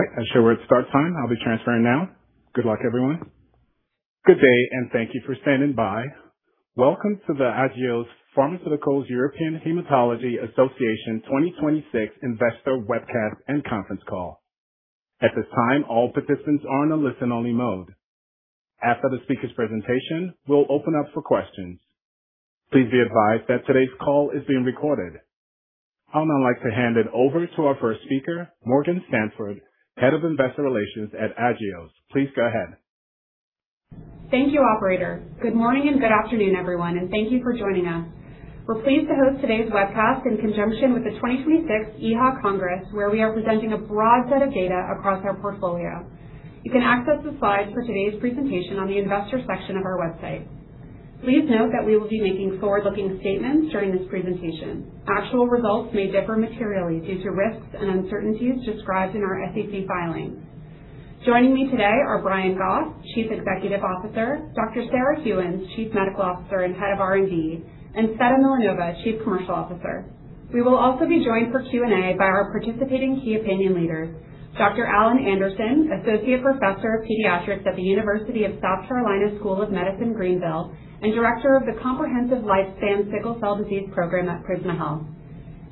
All right. I show we're at start time. I'll be transferring now. Good luck, everyone. Good day, and thank you for standing by. Welcome to the Agios Pharmaceuticals European Hematology Association 2026 Investor Webcast and Conference Call. At this time, all participants are in a listen-only mode. After the speaker's presentation, we'll open up for questions. Please be advised that today's call is being recorded. I would now like to hand it over to our first speaker, Morgan Sanford, Head of Investor Relations at Agios. Please go ahead. Thank you, Operator. Good morning and good afternoon, everyone, and thank you for joining us. We're pleased to host today's webcast in conjunction with the 2026 EHA Congress, where we are presenting a broad set of data across our portfolio. You can access the slides for today's presentation on the investor section of our website. Please note that we will be making forward-looking statements during this presentation. Actual results may differ materially due to risks and uncertainties described in our SEC filings. Joining me today are Brian Goff, Chief Executive Officer, Dr. Sarah Gheuens, Chief Medical Officer and Head of R&D, and Tsveta Milanova, Chief Commercial Officer. We will also be joined for Q&A by our participating key opinion leaders, Dr. Alan Anderson, Associate Professor of Pediatrics at the University of South Carolina School of Medicine Greenville, and Director of the Comprehensive Lifespan Sickle Cell Disease Program at Prisma Health,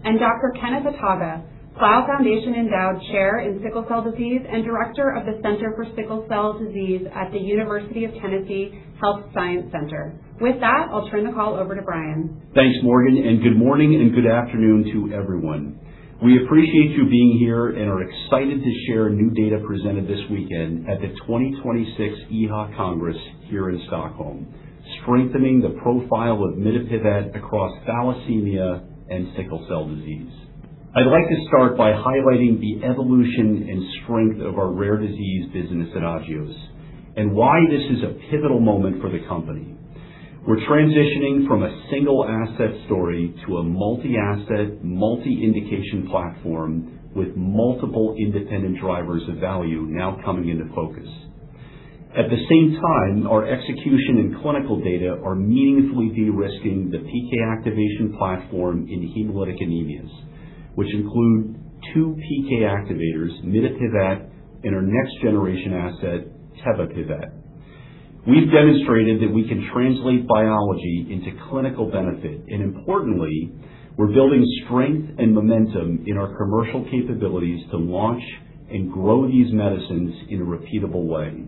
and Dr. Kenneth Ataga, Plough Foundation Endowed Chair in Sickle Cell Disease and Director of the Center for Sickle Cell Disease at the University of Tennessee Health Science Center. With that, I'll turn the call over to Brian. Thanks, Morgan, and good morning and good afternoon to everyone. We appreciate you being here and are excited to share new data presented this weekend at the 2026 EHA Congress here in Stockholm, strengthening the profile of mitapivat across thalassemia and sickle cell disease. I'd like to start by highlighting the evolution and strength of our rare disease business at Agios and why this is a pivotal moment for the company. We're transitioning from a single asset story to a multi-asset, multi-indication platform with multiple independent drivers of value now coming into focus. At the same time, our execution and clinical data are meaningfully de-risking the PK activation platform in hemolytic anemias, which include two PK activators, mitapivat and our next-generation asset, tebapivat. We've demonstrated that we can translate biology into clinical benefit. Importantly, we're building strength and momentum in our commercial capabilities to launch and grow these medicines in a repeatable way.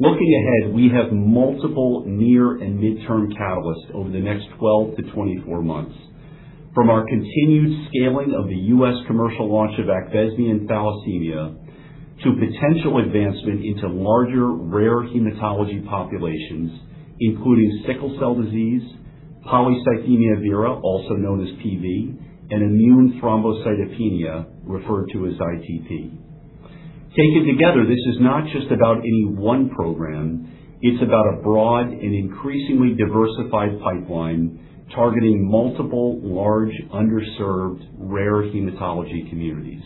Looking ahead, we have multiple near and midterm catalysts over the next 12-24 months. From our continued scaling of the U.S. commercial launch of AQVESME and thalassemia to potential advancement into larger rare hematology populations, including sickle cell disease, polycythemia vera, also known as PV, and immune thrombocytopenia, referred to as ITP. Taken together, this is not just about any one program. It's about a broad and increasingly diversified pipeline targeting multiple large, underserved, rare hematology communities.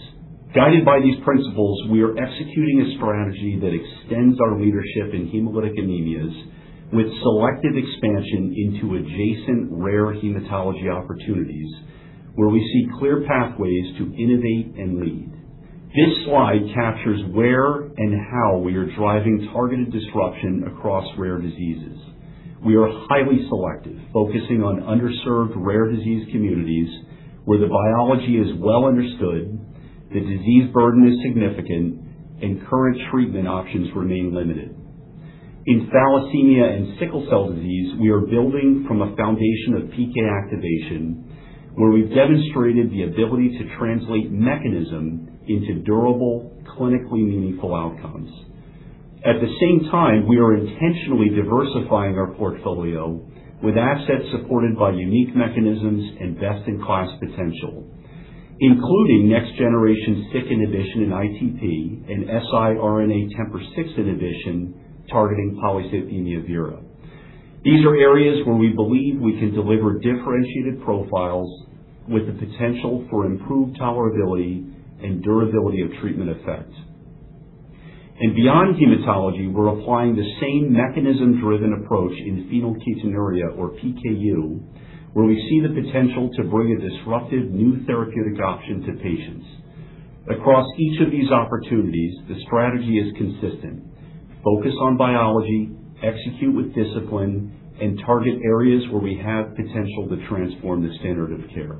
Guided by these principles, we are executing a strategy that extends our leadership in hemolytic anemias with selective expansion into adjacent rare hematology opportunities where we see clear pathways to innovate and lead. This slide captures where and how we are driving targeted disruption across rare diseases. We are highly selective, focusing on underserved rare disease communities where the biology is well understood, the disease burden is significant, and current treatment options remain limited. In thalassemia and sickle cell disease, we are building from a foundation of PK activation where we've demonstrated the ability to translate mechanism into durable, clinically meaningful outcomes. At the same time, we are intentionally diversifying our portfolio with assets supported by unique mechanisms and best-in-class potential, including next-generation SYK inhibition in ITP and siRNA TMPRSS6 inhibition targeting polycythemia vera. These are areas where we believe we can deliver differentiated profiles with the potential for improved tolerability and durability of treatment effect. Beyond hematology, we're applying the same mechanism-driven approach in phenylketonuria, or PKU, where we see the potential to bring a disruptive new therapeutic option to patients. Across each of these opportunities, the strategy is consistent. Focus on biology, execute with discipline, and target areas where we have potential to transform the standard of care.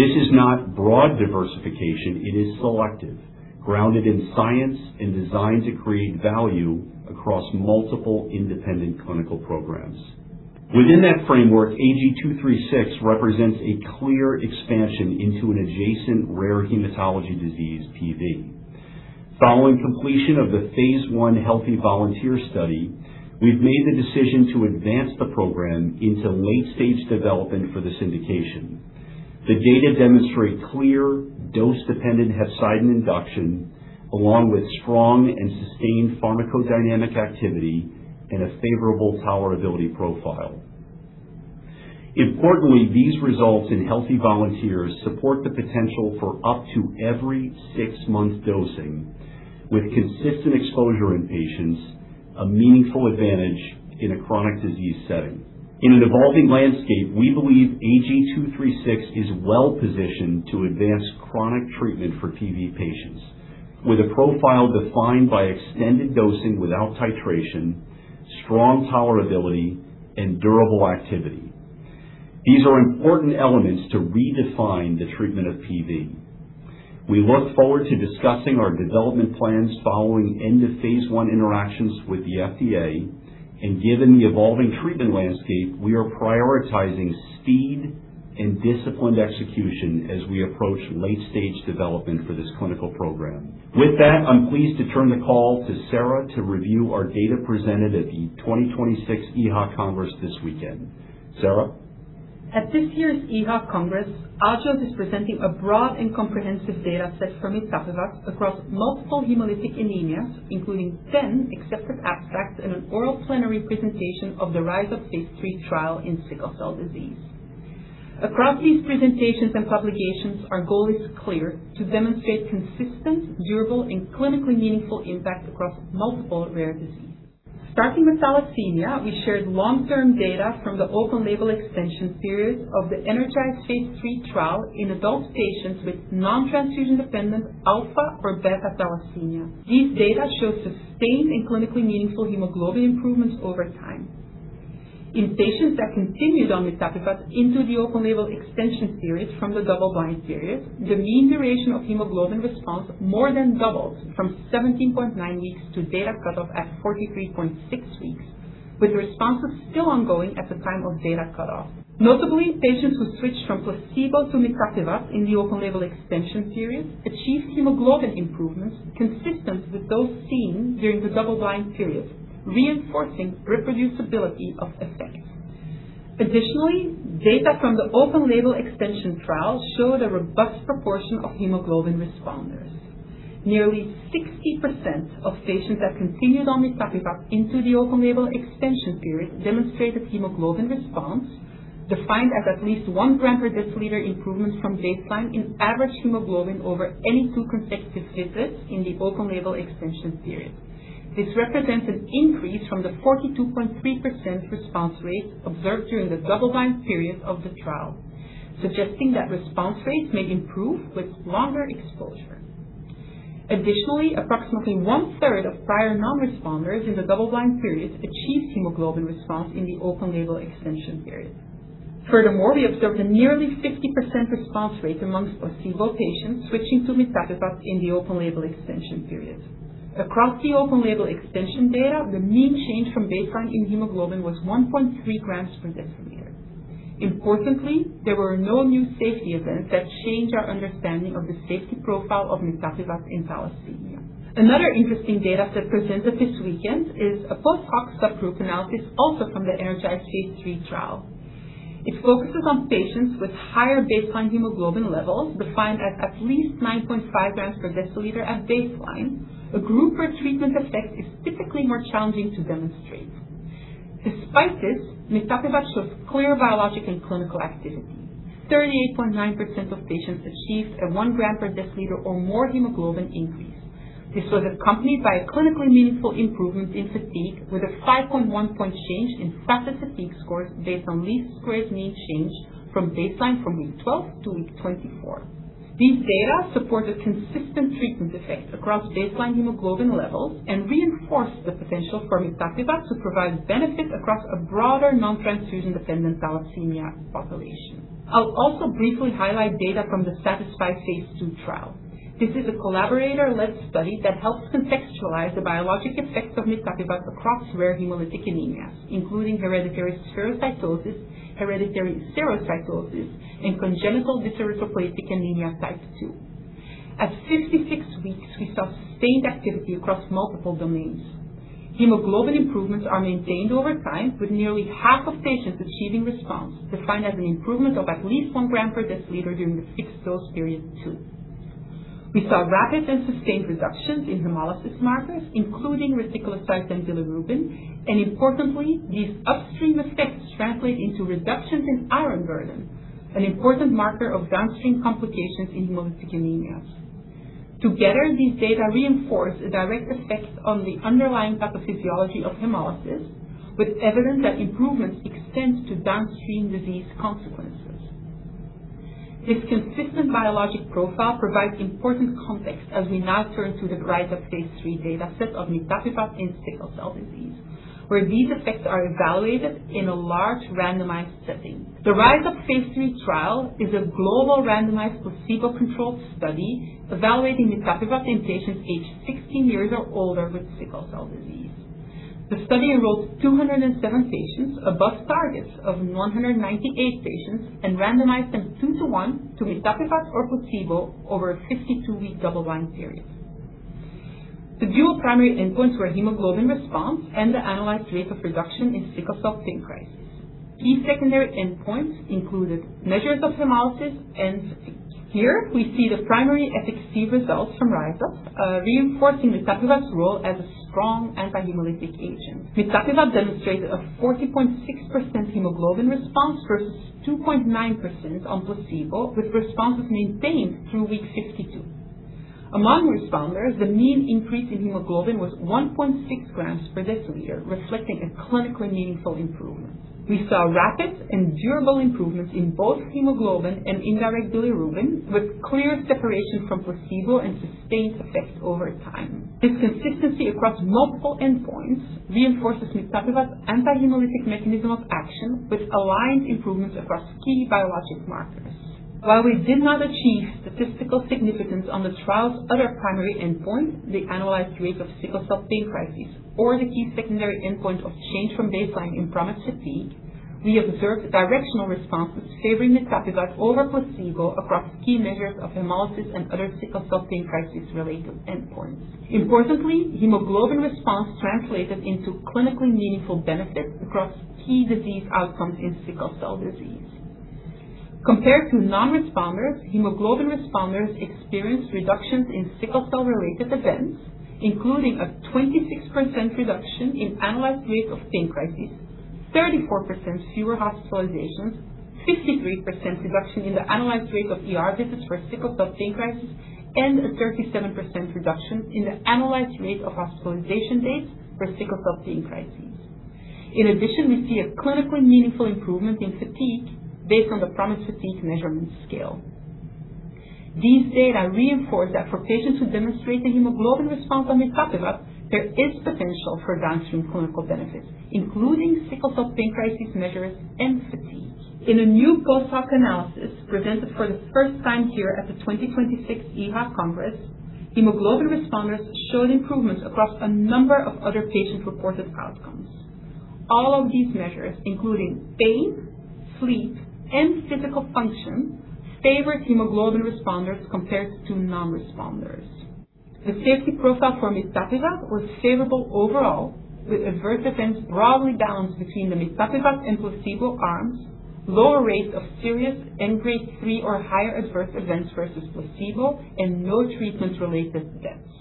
This is not broad diversification. It is selective, grounded in science, and designed to create value across multiple independent clinical programs. Within that framework, AG-236 represents a clear expansion into an adjacent rare hematology disease, PV. Following completion of the phase I healthy volunteer study, we've made the decision to advance the program into late-stage development for this indication. The data demonstrate clear dose-dependent hepcidin induction along with strong and sustained pharmacodynamic activity and a favorable tolerability profile. Importantly, these results in healthy volunteers support the potential for up to every six-month dosing with consistent exposure in patients, a meaningful advantage in a chronic disease setting. In an evolving landscape, we believe AG-236 is well-positioned to advance chronic treatment for PV patients with a profile defined by extended dosing without titration, strong tolerability, and durable activity. These are important elements to redefine the treatment of PV. We look forward to discussing our development plans following end of phase I interactions with the FDA. Given the evolving treatment landscape, we are prioritizing speed and disciplined execution as we approach late-stage development for this clinical program. With that, I'm pleased to turn the call to Sarah to review our data presented at the 2026 EHA Congress this weekend. Sarah? At this year's EHA Congress, Agios is presenting a broad and comprehensive data set for mitapivat across multiple hemolytic anemias, including 10 accepted abstracts and an oral plenary presentation of the RISE UP phase III trial in sickle cell disease. Across these presentations and publications, our goal is clear: to demonstrate consistent, durable, and clinically meaningful impact across multiple rare diseases. Starting with thalassemia, we shared long-term data from the open-label extension period of the ENERGIZE phase III trial in adult patients with non-transfusion-dependent alpha or beta thalassemia. These data show sustained and clinically meaningful hemoglobin improvements over time. In patients that continued on mitapivat into the open-label extension period from the double-blind period, the mean duration of hemoglobin response more than doubled from 17.9 weeks to data cutoff at 43.6 weeks, with responses still ongoing at the time of data cutoff. Notably, patients who switched from placebo to mitapivat in the open-label extension period achieved hemoglobin improvements consistent with those seen during the double-blind period, reinforcing reproducibility of effect. Additionally, data from the open-label extension trial showed a robust proportion of hemoglobin responders. Nearly 60% of patients that continued on mitapivat into the open-label extension period demonstrated hemoglobin response, defined as at least 1 g per deciliter improvement from baseline in average hemoglobin over any two consecutive visits in the open-label extension period. This represents an increase from the 42.3% response rate observed during the double-blind period of the trial, suggesting that response rates may improve with longer exposure. Additionally, approximately one-third of prior non-responders in the double-blind period achieved hemoglobin response in the open-label extension period. Furthermore, we observed a nearly 50% response rate amongst placebo patients switching to mitapivat in the open-label extension period. Across the open-label extension data, the mean change from baseline in hemoglobin was 1.3 g per deciliter. Importantly, there were no new safety events that changed our understanding of the safety profile of mitapivat in thalassemia. Another interesting data set presented this weekend is a post-hoc subgroup analysis also from the ENERGIZE phase III trial. It focuses on patients with higher baseline hemoglobin levels, defined as at least 9.5 g per deciliter at baseline. A group where treatment effect is typically more challenging to demonstrate. Despite this, mitapivat shows clear biologic and clinical activity. 38.9% of patients achieved a 1 g per deciliter or more hemoglobin increase. This was accompanied by a clinically meaningful improvement in fatigue, with a 5.1 point change in FACIT fatigue scores based on least squares mean change from baseline from week 12 to week 24. These data support a consistent treatment effect across baseline hemoglobin levels and reinforce the potential for mitapivat to provide benefit across a broader non-transfusion-dependent thalassemia population. I'll also briefly highlight data from the SATISFY phase II trial. This is a collaborator-led study that helps contextualize the biologic effects of mitapivat across rare hemolytic anemias, including hereditary spherocytosis, hereditary elliptocytosis, and Congenital Dyserythropoietic Anemia Type II. At 56 weeks, we saw sustained activity across multiple domains. Hemoglobin improvements are maintained over time, with nearly half of patients achieving response, defined as an improvement of at least 1 g per deciliter during the fixed-dose period two. We saw rapid and sustained reductions in hemolysis markers, including reticulocytes and bilirubin, and importantly, these upstream effects translate into reductions in iron burden, an important marker of downstream complications in hemolytic anemias. Together, these data reinforce a direct effect on the underlying pathophysiology of hemolysis, with evidence that improvements extend to downstream disease consequences. This consistent biologic profile provides important context as we now turn to the RISE UP phase III data set of mitapivat in sickle cell disease, where these effects are evaluated in a large randomized setting. The RISE UP phase III trial is a global randomized placebo-controlled study evaluating mitapivat in patients aged 16 years or older with sickle cell disease. The study enrolled 207 patients above targets of 198 patients and randomized them 2:1 to mitapivat or placebo over a 52-week double-blind period. The dual primary endpoints were hemoglobin response and the analyzed rate of reduction in sickle cell pain crisis. Key secondary endpoints included measures of hemolysis and fatigue. Here we see the primary efficacy results from RISE UP, reinforcing mitapivat's role as a strong anti-hemolytic agent. Mitapivat demonstrated a 40.6% hemoglobin response versus 2.9% on placebo, with responses maintained through week 62. Among responders, the mean increase in hemoglobin was 1.6 g per deciliter, reflecting a clinically meaningful improvement. We saw rapid and durable improvements in both hemoglobin and indirect bilirubin, with clear separation from placebo and sustained effects over time. This consistency across multiple endpoints reinforces mitapivat's anti-hemolytic mechanism of action, with aligned improvements across key biologic markers. While we did not achieve statistical significance on the trial's other primary endpoint, the annualized rate of sickle cell pain crisis, or the key secondary endpoint of change from baseline in PROMIS fatigue, we observed directional responses favoring mitapivat over placebo across key measures of hemolysis and other sickle cell pain crisis-related endpoints. Importantly, hemoglobin response translated into clinically meaningful benefits across key disease outcomes in sickle cell disease. Compared to non-responders, hemoglobin responders experienced reductions in sickle cell-related events, including a 26% reduction in annualized rate of pain crisis, 34% fewer hospitalizations, 53% reduction in the annualized rate of ER visits for sickle cell pain crisis, and a 37% reduction in the annualized rate of hospitalization days for sickle cell pain crisis. In addition, we see a clinically meaningful improvement in fatigue based on the PROMIS fatigue measurement scale. These data reinforce that for patients who demonstrate a hemoglobin response on mitapivat, there is potential for downstream clinical benefit, including sickle cell pain crisis measures and fatigue. In a new post-hoc analysis presented for the first time here at the 2026 EHA Congress, hemoglobin responders showed improvements across a number of other patient-reported outcomes. All of these measures, including pain, sleep, and physical function, favor hemoglobin responders compared to non-responders. The safety profile for mitapivat was favorable overall, with adverse events broadly balanced between the mitapivat and placebo arms, lower rates of serious and Grade 3 or higher adverse events versus placebo, and no treatment-related deaths.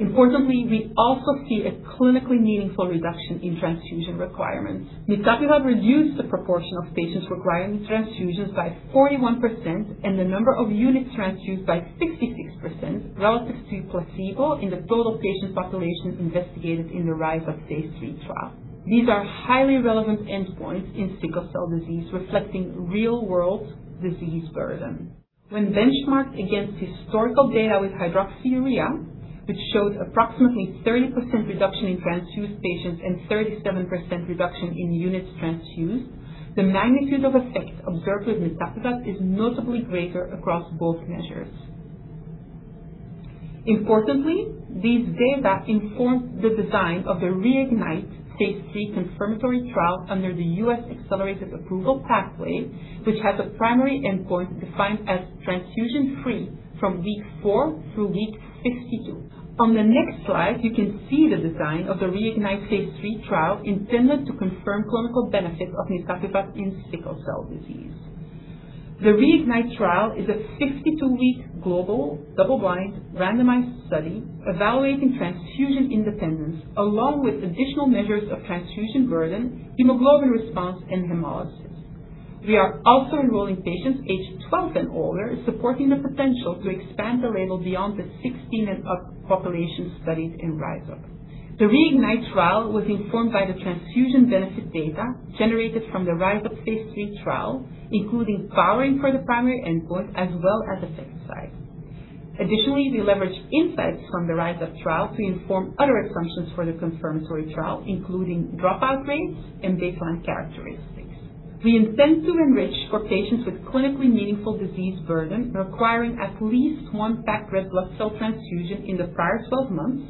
Importantly, we also see a clinically meaningful reduction in transfusion requirements. Mitapivat reduced the proportion of patients requiring transfusions by 41% and the number of units transfused by 66%, relative to placebo in the total patient population investigated in the RISE UP phase III trial. These are highly relevant endpoints in sickle cell disease, reflecting real-world disease burden. When benchmarked against historical data with hydroxyurea, which shows approximately 30% reduction in transfused patients and 37% reduction in units transfused, the magnitude of effect observed with mitapivat is notably greater across both measures. Importantly, these data informed the design of the REIGNITE phase III confirmatory trial under the U.S. Accelerated Approval Pathway, which has a primary endpoint defined as transfusion-free from week four through week 62. On the next slide, you can see the design of the REIGNITE phase III trial intended to confirm clinical benefits of mitapivat in sickle cell disease. The REIGNITE trial is a 62-week global, double-blind, randomized study evaluating transfusion independence along with additional measures of transfusion burden, hemoglobin response, and hemolysis. We are also enrolling patients aged 12 and older, supporting the potential to expand the label beyond the 16 and up population studied in RISE UP. The REIGNITE trial was informed by the transfusion benefit data generated from the RISE UP phase III trial, including powering for the primary endpoint as well as effect size. Additionally, we leveraged insights from the RISE UP trial to inform other assumptions for the confirmatory trial, including dropout rates and baseline characteristics. We intend to enrich for patients with clinically meaningful disease burden requiring at least one packed red blood cell transfusion in the prior 12 months,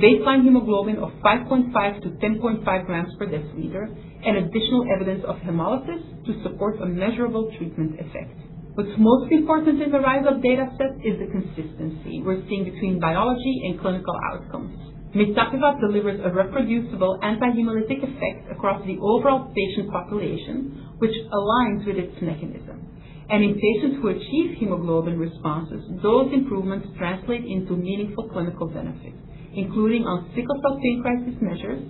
baseline hemoglobin of 5.5-10.5 g per deciliter, and additional evidence of hemolysis to support a measurable treatment effect. What's most important in the RISE UP data set is the consistency we're seeing between biology and clinical outcomes. Mitapivat delivers a reproducible anti-hemolytic effect across the overall patient population, which aligns with its mechanism. And in patients who achieve hemoglobin responses, those improvements translate into meaningful clinical benefits, including on sickle cell pain crisis measures,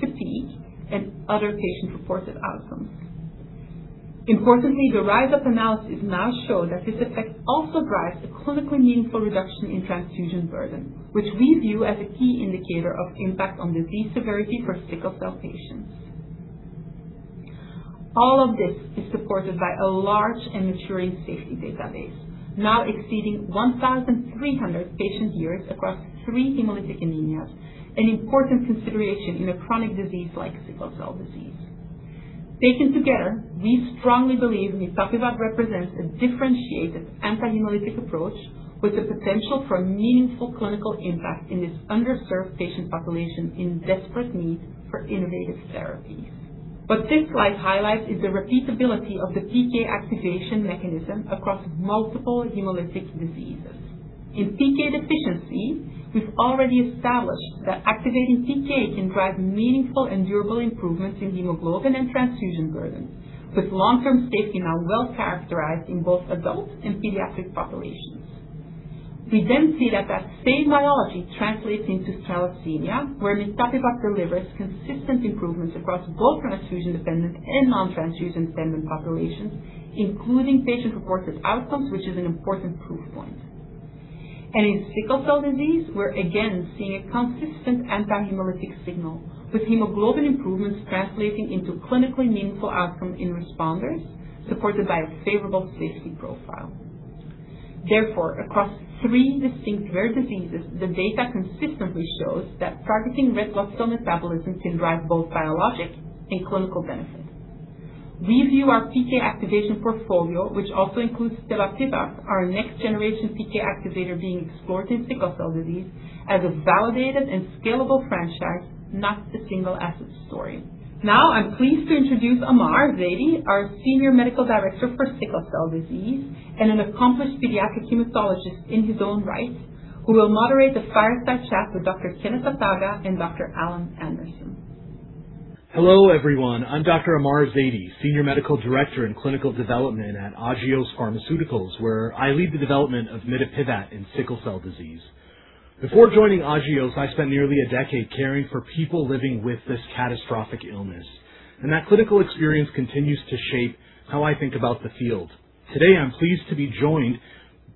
fatigue, and other patient-reported outcomes. Importantly, the RISE UP analysis now show that this effect also drives a clinically meaningful reduction in transfusion burden, which we view as a key indicator of impact on disease severity for sickle cell patients. All of this is supported by a large and maturing safety database, now exceeding 1,300 patient-years across three hemolytic anemias, an important consideration in a chronic disease like sickle cell disease. Taken together, we strongly believe mitapivat represents a differentiated anti-hemolytic approach with the potential for a meaningful clinical impact in this underserved patient population in desperate need for innovative therapies. What this slide highlights is the repeatability of the PK activation mechanism across multiple hemolytic diseases. In PK deficiency, we've already established that activating PK can drive meaningful and durable improvements in hemoglobin and transfusion burden, with long-term safety now well-characterized in both adult and pediatric populations. We then see that that same biology translates into thalassemia, where mitapivat delivers consistent improvements across both transfusion-dependent and non-transfusion-dependent populations, including patient-reported outcomes, which is an important proof point. And in sickle cell disease, we're again seeing a consistent anti-hemolytic signal, with hemoglobin improvements translating into clinically meaningful outcomes in responders, supported by a favorable safety profile. Therefore, across three distinct rare diseases, the data consistently shows that targeting red blood cell metabolism can drive both biologic and clinical benefits. We view our PK activation portfolio, which also includes tebapivat, our next-generation PK activator being explored in sickle cell disease, as a validated and scalable franchise, not a single asset story. Now, I'm pleased to introduce Ahmar Zaidi, our Senior Medical Director for Sickle Cell Disease and an accomplished pediatric hematologist in his own right, who will moderate the fireside chat with Dr. Kenneth Ataga and Dr. Alan Anderson. Hello, everyone. I'm Dr. Ahmar Zaidi, Senior Medical Director in Clinical Development at Agios Pharmaceuticals, where I lead the development of mitapivat in sickle cell disease. Before joining Agios, I spent nearly a decade caring for people living with this catastrophic illness, that clinical experience continues to shape how I think about the field. Today, I'm pleased to be joined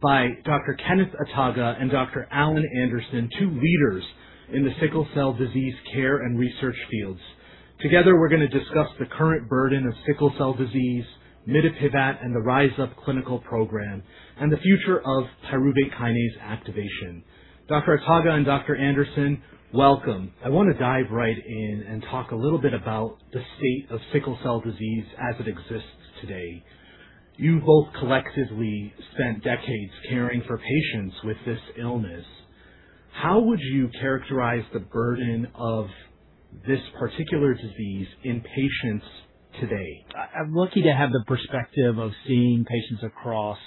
by Dr. Kenneth Ataga and Dr. Alan Anderson, two leaders in the sickle cell disease care and research fields. Together, we're going to discuss the current burden of sickle cell disease, mitapivat, the RISE UP clinical program, and the future of pyruvate kinase activation. Dr. Ataga and Dr. Anderson, welcome. I want to dive right in and talk a little bit about the state of sickle cell disease as it exists today. You both collectively spent decades caring for patients with this illness. How would you characterize the burden of this particular disease in patients today? I'm lucky to have the perspective of seeing patients across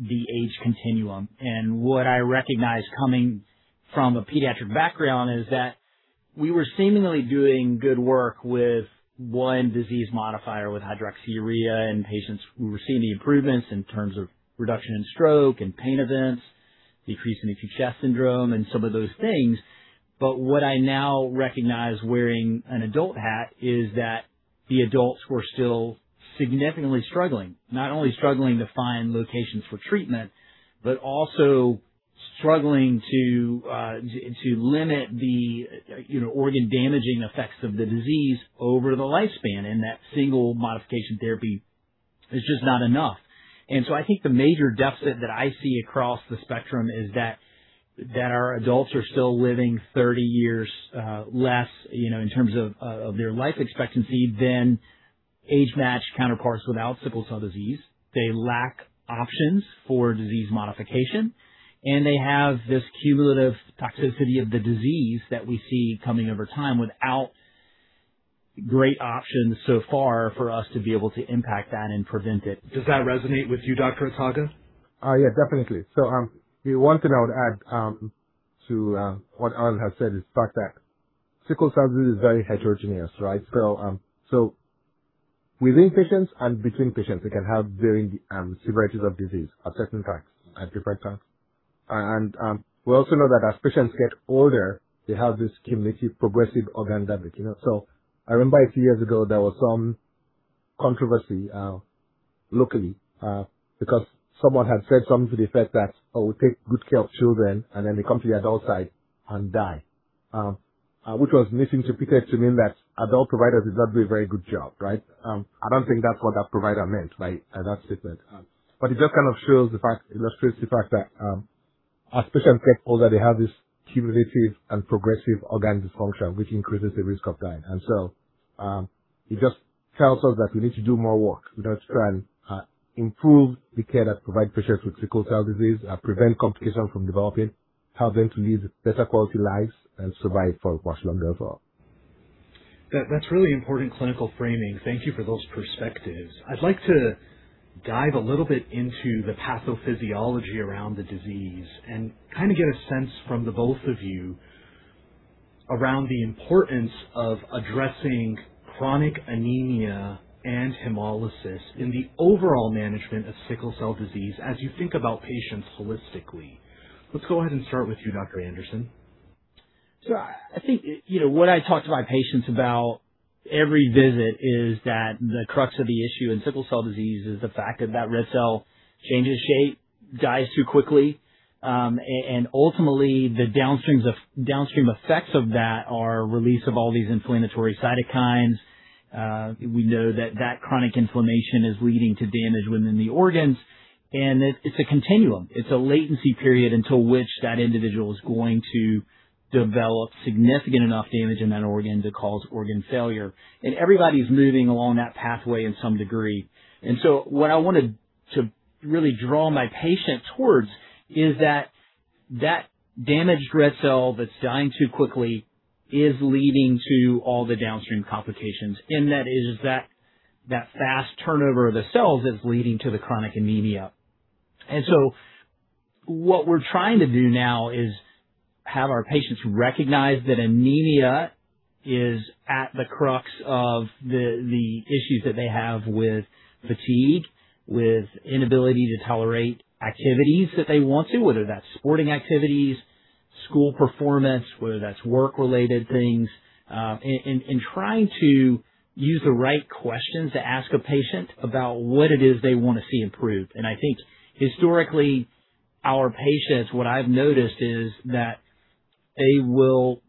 the age continuum, what I recognize coming from a pediatric background is that we were seemingly doing good work with one disease modifier, with hydroxyurea, patients were seeing the improvements in terms of reduction in stroke and pain events, decrease in acute chest syndrome, some of those things. What I now recognize wearing an adult hat is that the adults were still significantly struggling, not only struggling to find locations for treatment, also struggling to limit the organ-damaging effects of the disease over the lifespan, that single modification therapy is just not enough. I think the major deficit that I see across the spectrum is that our adults are still living 30 years less, in terms of their life expectancy than age-matched counterparts without sickle cell disease. They lack options for disease modification, they have this cumulative toxicity of the disease that we see coming over time without great options so far for us to be able to impact that and prevent it. Does that resonate with you, Dr. Ataga? Yeah, definitely. The one thing I would add to what Alan has said is the fact that sickle cell disease is very heterogeneous, right? Within patients and between patients, they can have varying severities of disease at certain times and different times. We also know that as patients get older, they have this cumulative progressive organ damage. I remember a few years ago, there was some controversy, locally, because someone had said something to the effect that, "Oh, we take good care of children, and then they come to the adult side and die." Which was misinterpreted to mean that adult providers did not do a very good job, right? I don't think that's what that provider meant by that statement. It just kind of illustrates the fact that as patients get older, they have this cumulative and progressive organ dysfunction, which increases the risk of dying. It just tells us that we need to do more work in order to try and improve the care that provide patients with sickle cell disease, prevent complications from developing, help them to lead better quality lives, and survive for much longer as well. That's really important clinical framing. Thank you for those perspectives. I'd like to dive a little bit into the pathophysiology around the disease and get a sense from the both of you around the importance of addressing chronic anemia and hemolysis in the overall management of sickle cell disease as you think about patients holistically. Let's go ahead and start with you, Dr. Anderson. I think what I talk to my patients about every visit is that the crux of the issue in sickle cell disease is the fact that that red cell changes shape, dies too quickly, and ultimately the downstream effects of that are release of all these inflammatory cytokines. We know that that chronic inflammation is leading to damage within the organs, and it's a continuum. It's a latency period until which that individual is going to develop significant enough damage in that organ to cause organ failure. Everybody's moving along that pathway in some degree. What I wanted to really draw my patient towards is that that damaged red cell that's dying too quickly is leading to all the downstream complications, and that is that that fast turnover of the cells is leading to the chronic anemia. What we're trying to do now is have our patients recognize that anemia is at the crux of the issues that they have with fatigue, with inability to tolerate activities that they want to, whether that's sporting activities, school performance, whether that's work-related things, and trying to use the right questions to ask a patient about what it is they want to see improved. I think historically, our patients, what I've noticed is that they will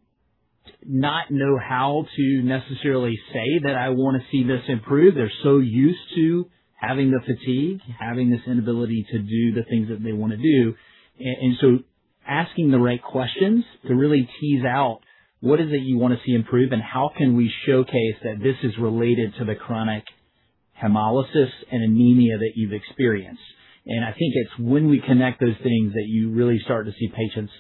not know how to necessarily say that, "I want to see this improved." They're so used to having the fatigue, having this inability to do the things that they want to do. Asking the right questions to really tease out what is it you want to see improved, and how can we showcase that this is related to the chronic hemolysis and anemia that you've experienced. I think it's when we connect those things that you really start to see patients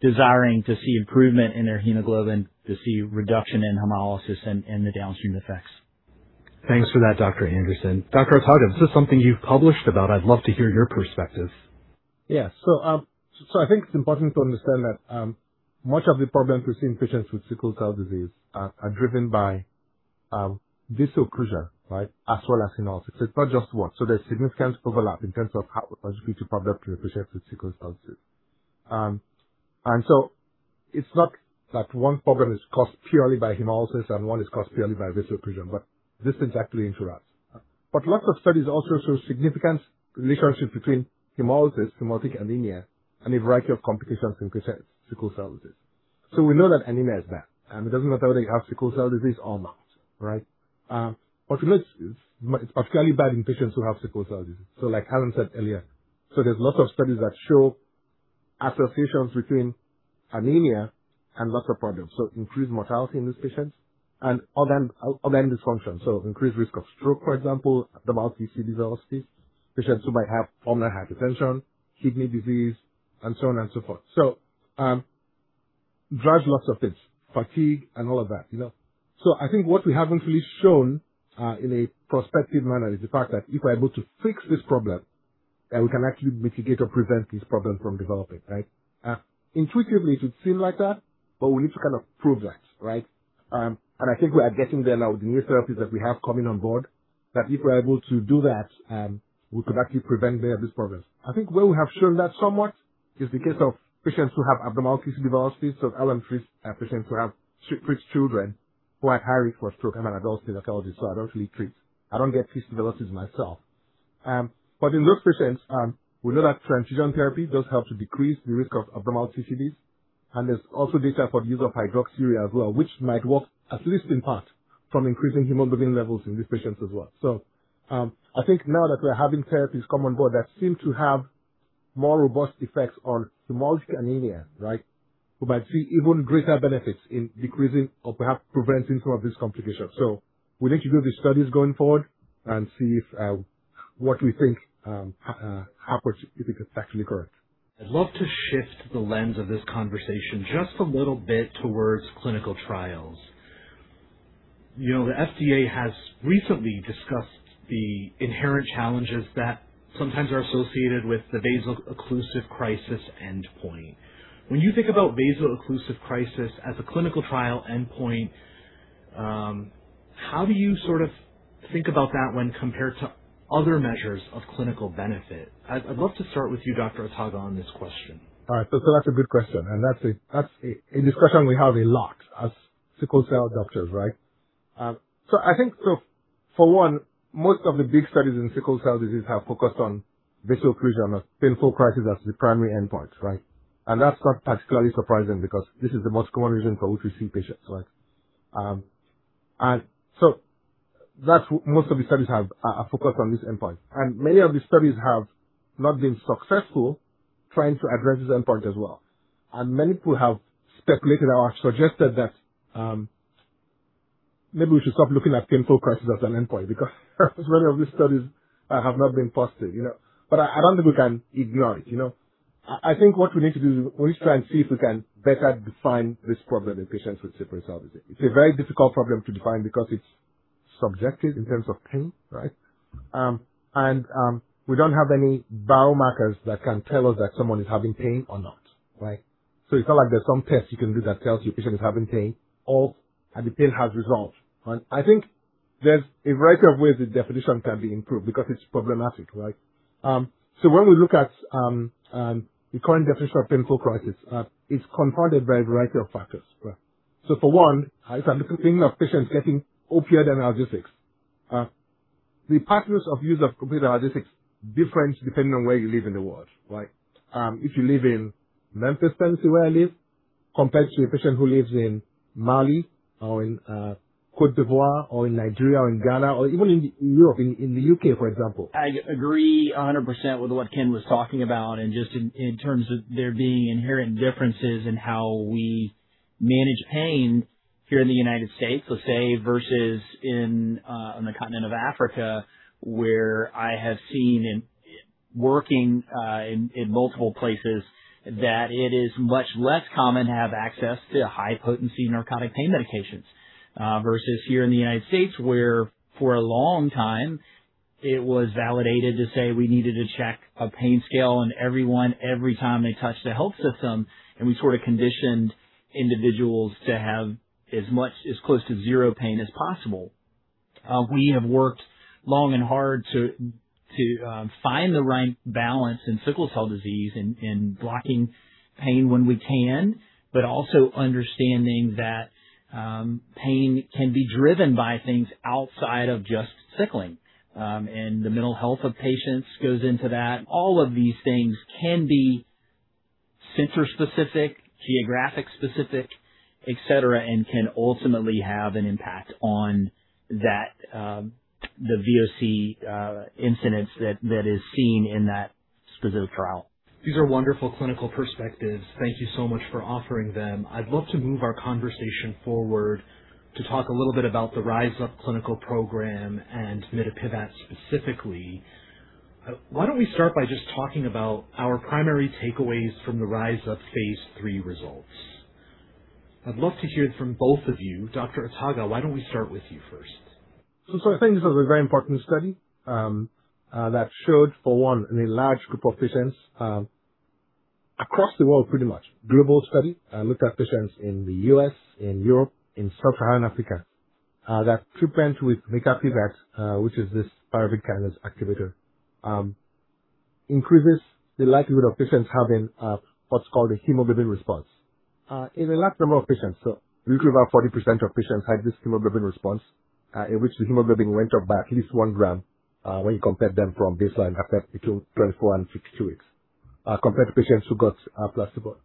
desiring to see improvement in their hemoglobin, to see a reduction in hemolysis and the downstream effects. Thanks for that, Dr. Anderson. Dr. Ataga, this is something you've published about. I'd love to hear your perspective. I think it's important to understand that much of the problems we see in patients with sickle cell disease are driven by vaso-occlusion, as well as hemolysis. It's not just one. There's significant overlap in terms of how, what leads to problems in patients with sickle cell disease. It's not that one problem is caused purely by hemolysis and one is caused purely by vaso-occlusion, but this exactly interacts. Lots of studies also show significant relationships between hemolysis, hemolytic anemia, and a variety of complications in patients with sickle cell disease. We know that anemia is bad, and it doesn't matter whether you have sickle cell disease or not, right? It's particularly bad in patients who have sickle cell disease. Like Alan said earlier, there's lots of studies that show associations between anemia and lots of problems. Increased mortality in these patients and organ dysfunction. Increased risk of stroke, for example, abnormal TCD velocities, patients who might have pulmonary hypertension, kidney disease, and so on and so forth. It drives lots of things, fatigue and all of that. I think what we haven't really shown in a prospective manner is the fact that if we're able to fix this problem, then we can actually mitigate or prevent this problem from developing, right? Intuitively, it would seem like that, but we need to kind of prove that. I think we are getting there now with the new therapies that we have coming on board, that if we're able to do that, we could actually prevent many of these problems. I think where we have shown that somewhat is the case of patients who have abnormal TCD velocities. Alan treats patients who treat children who are at high risk for stroke. I'm an adult hematologist, so I don't really treat. I don't get TCD velocities myself. In those patients, we know that transfusion therapy does help to decrease the risk of abnormal TCDs, and there's also data for use of hydroxyurea as well, which might work at least in part from increasing hemoglobin levels in these patients as well. I think now that we're having therapies come on board that seem to have more robust effects on hemolytic anemia, we might see even greater benefits in decreasing or perhaps preventing some of these complications. We need to do these studies going forward and see if what we think happens, if it's actually correct. I'd love to shift the lens of this conversation just a little bit towards clinical trials. The FDA has recently discussed the inherent challenges that sometimes are associated with the vaso-occlusive crisis endpoint. When you think about vaso-occlusive crisis as a clinical trial endpoint, how do you sort of think about that when compared to other measures of clinical benefit? I'd love to start with you, Dr. Ataga, on this question. All right. That's a good question, and that's a discussion we have a lot as sickle cell doctors, right? I think for one, most of the big studies in sickle cell disease have focused on vaso-occlusion as painful crisis as the primary endpoint. That's not particularly surprising because this is the most common reason for which we see patients. That's what most of the studies have focused on this endpoint. Many of the studies have not been successful trying to address this endpoint as well. Many people have speculated or suggested that maybe we should stop looking at painful crisis as an endpoint because many of these studies have not been positive. I don't think we can ignore it. I think what we need to do is we need to try and see if we can better define this problem in patients with sickle cell disease. It's a very difficult problem to define because it's subjective in terms of pain. We don't have any biomarkers that can tell us that someone is having pain or not. It's not like there's some test you can do that tells you a patient is having pain or the pain has resolved. I think there's a variety of ways the definition can be improved because it's problematic. When we look at the current definition of painful crisis, it's confounded by a variety of factors. For one, if I'm thinking of patients getting opioid analgesics, the patterns of use of opioid analgesics differ depending on where you live in the world. If you live in Memphis, Tennessee, where I live, compared to a patient who lives in Mali or in Côte d'Ivoire or in Nigeria or in Ghana, or even in Europe, in the U.K., for example. I agree 100% with what Ken was talking about, and just in terms of there being inherent differences in how we manage pain here in the United States, let's say, versus on the continent of Africa, where I have seen in working in multiple places that it is much less common to have access to high-potency narcotic pain medications. Versus here in the United States, where for a long time it was validated to say we needed to check a pain scale on everyone every time they touched the health system, and we sort of conditioned individuals to have as close to zero pain as possible. We have worked long and hard to find the right balance in sickle cell disease in blocking pain when we can, but also understanding that pain can be driven by things outside of just sickling. The mental health of patients goes into that. All of these things can be center-specific, geographic-specific, et cetera, and can ultimately have an impact on the VOC incidence that is seen in that specific trial. These are wonderful clinical perspectives. Thank you so much for offering them. I'd love to move our conversation forward to talk a little bit about the RISE UP clinical program and mitapivat specifically. Why don't we start by just talking about our primary takeaways from the RISE UP phase III results? I'd love to hear from both of you. Dr. Ataga, why don't we start with you first? I think this was a very important study that showed, for one, in a large group of patients across the world, pretty much, global study, looked at patients in the U.S., in Europe, in sub-Saharan Africa, that treatment with mitapivat, which is this pyruvate kinase activator, increases the likelihood of patients having what's called a hemoglobin response. In a large number of patients, roughly about 40% of patients had this hemoglobin response, in which the hemoglobin went up by at least 1 g, when you compared them from baseline after between 24 and 52 weeks, compared to patients who got a placebo.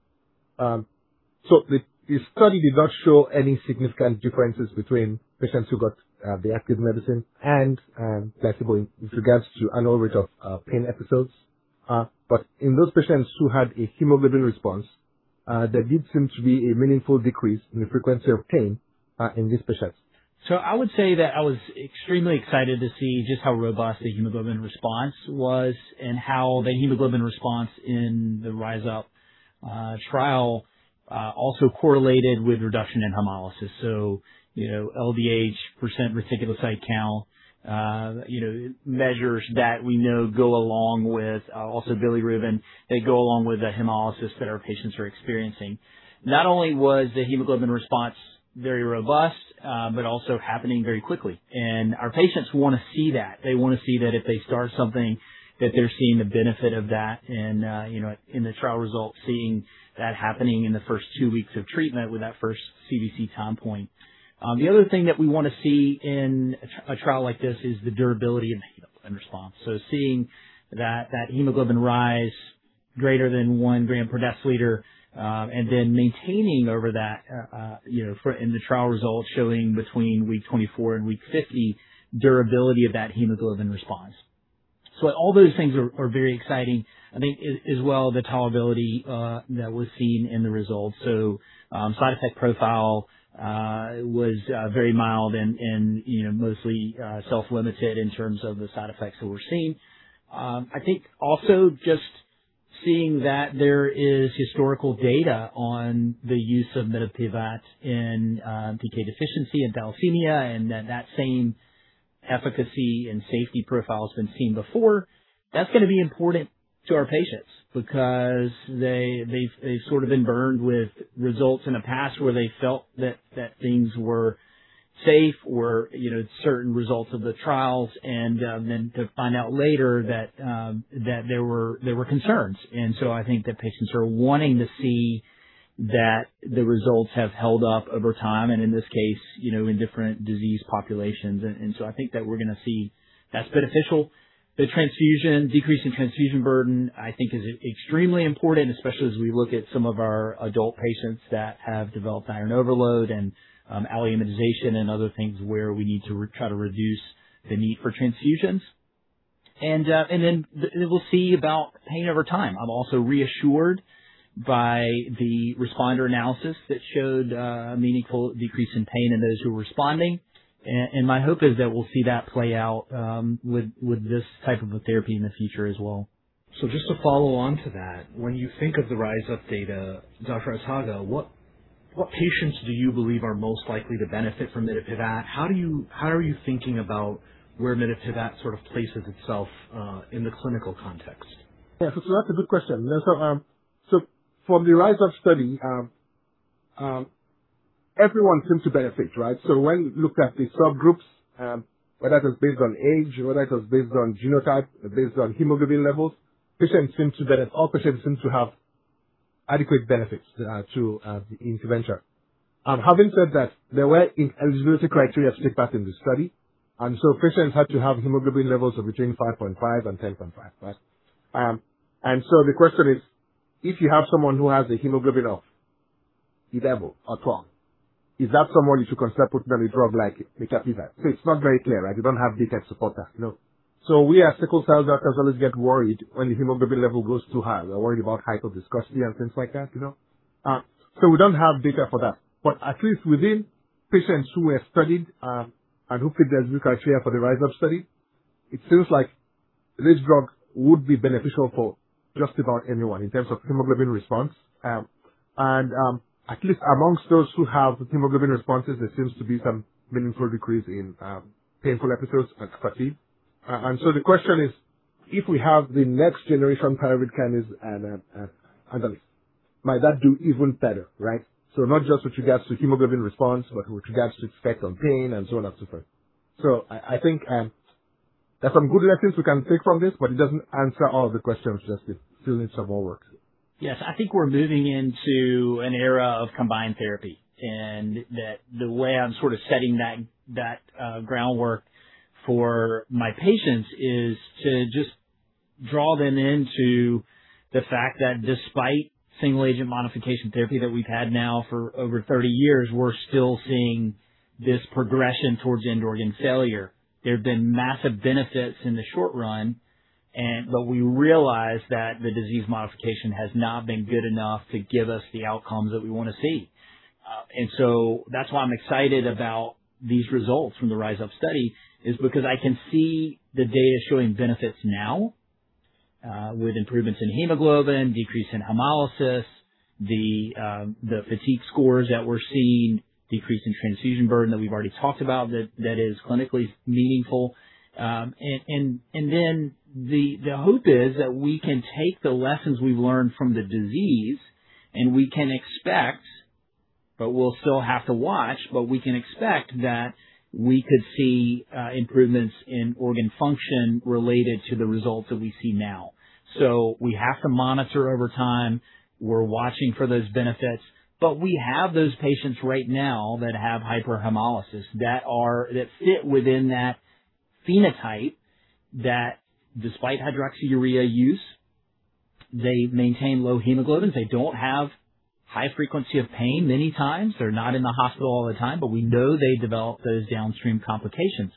The study did not show any significant differences between patients who got the active medicine and placebo in regards to annual rate of pain episodes. In those patients who had a hemoglobin response, there did seem to be a meaningful decrease in the frequency of pain in these patients. I would say that I was extremely excited to see just how robust the hemoglobin response was and how the hemoglobin response in the RISE UP trial also correlated with reduction in hemolysis. LDH, percent reticulocyte count, measures that we know go along with, also bilirubin, they go along with the hemolysis that our patients are experiencing. Not only was the hemoglobin response very robust, but also happening very quickly. Our patients want to see that. They want to see that if they start something, that they're seeing the benefit of that and, in the trial results, seeing that happening in the first two weeks of treatment with that first CBC time point. The other thing that we want to see in a trial like this is the durability of the hemoglobin response. Seeing that hemoglobin rise greater than 1 g per deciliter, and then maintaining over that, in the trial results, showing between week 24 and week 50, durability of that hemoglobin response. All those things are very exciting. I think as well, the tolerability that was seen in the results. Side effect profile was very mild and mostly self-limited in terms of the side effects that we're seeing. I think also just seeing that there is historical data on the use of mitapivat in PK deficiency, in thalassemia, and then that same efficacy and safety profile has been seen before. That's going to be important to our patients because they've sort of been burned with results in the past where they felt that things were safe or certain results of the trials, and then to find out later that there were concerns. I think that patients are wanting to see that the results have held up over time, and in this case, in different disease populations. I think that we're going to see that's beneficial. The transfusion, decrease in transfusion burden, I think is extremely important, especially as we look at some of our adult patients that have developed iron overload and alloimmunization and other things where we need to try to reduce the need for transfusions. We'll see about pain over time. I'm also reassured by the responder analysis that showed a meaningful decrease in pain in those who were responding. My hope is that we'll see that play out with this type of a therapy in the future as well. Just to follow on to that, when you think of the RISE UP data, Dr. Ataga, what patients do you believe are most likely to benefit from mitapivat? How are you thinking about where mitapivat sort of places itself in the clinical context? That's a good question. From the RISE UP study, everyone seems to benefit, right? When you look at the subgroups, whether that was based on age, whether that was based on genotype, based on hemoglobin levels, patients seem to benefit. All patients seem to have adequate benefits to the intervention. Having said that, there were eligibility criteria set back in the study, patients had to have hemoglobin levels of between 5.5 and 10.5, right? The question is, if you have someone who has a hemoglobin of 11 or 12, is that someone you should consider putting on a drug like mitapivat? It's not very clear, right? We don't have data to support that. We as sickle cell doctors always get worried when the hemoglobin level goes too high. We're worried about hyperviscosity and things like that. We don't have data for that. At least within patients who were studied, and who fit the eligibility criteria for the RISE UP study, it seems like this drug would be beneficial for just about anyone in terms of hemoglobin response. At least amongst those who have the hemoglobin responses, there seems to be some meaningful decrease in painful episodes like fatigue. The question is, if we have the next generation pyruvate kinase activator, might that do even better? Right? Not just with regards to hemoglobin response, but with regards to effect on pain and so on and so forth. I think there's some good lessons we can take from this, but it doesn't answer all the questions, it still needs some more work. Yes. I think we're moving into an era of combined therapy. The way I'm sort of setting that groundwork for my patients is to just draw them into the fact that despite single-agent modification therapy that we've had now for over 30 years, we're still seeing this progression towards end-organ failure. There have been massive benefits in the short run, but we realize that the disease modification has not been good enough to give us the outcomes that we want to see. That's why I'm excited about these results from the RISE UP study, is because I can see the data showing benefits now, with improvements in hemoglobin, decrease in hemolysis, the fatigue scores that we're seeing, decrease in transfusion burden that we've already talked about, that is clinically meaningful. The hope is that we can take the lessons we've learned from the disease, and we can expect, but we'll still have to watch, but we can expect that we could see improvements in organ function related to the results that we see now. We have to monitor over time. We're watching for those benefits. We have those patients right now that have hyperhemolysis, that fit within that phenotype, that despite hydroxyurea use, they maintain low hemoglobin. They don't have high frequency of pain many times. They're not in the hospital all the time, but we know they develop those downstream complications,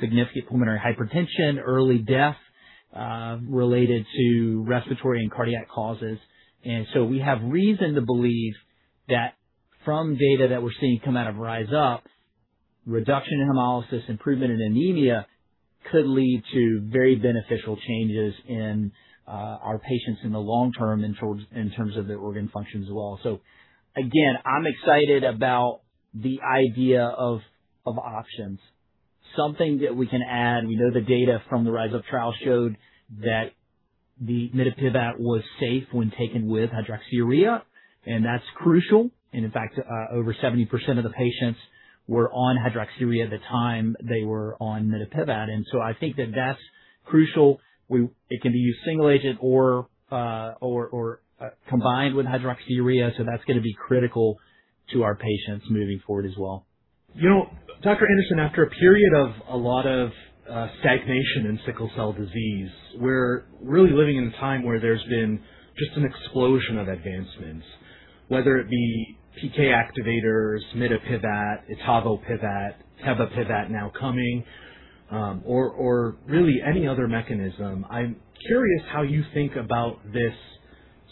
significant pulmonary hypertension, early death, related to respiratory and cardiac causes. We have reason to believe that from data that we're seeing come out of RISE UP, reduction in hemolysis, improvement in anemia, could lead to very beneficial changes in our patients in the long term in terms of their organ function as well. Again, I'm excited about the idea of options, something that we can add. We know the data from the RISE UP trial showed that the mitapivat was safe when taken with hydroxyurea, that's crucial. In fact, over 70% of the patients were on hydroxyurea at the time they were on mitapivat, I think that that's crucial. It can be used single agent or combined with hydroxyurea, that's going to be critical to our patients moving forward as well. Dr. Anderson, after a period of a lot of stagnation in sickle cell disease, we're really living in a time where there's been just an explosion of advancements. Whether it be PK activators, mitapivat, etavopivat, tebapivat now coming, or really any other mechanism. I'm curious how you think about this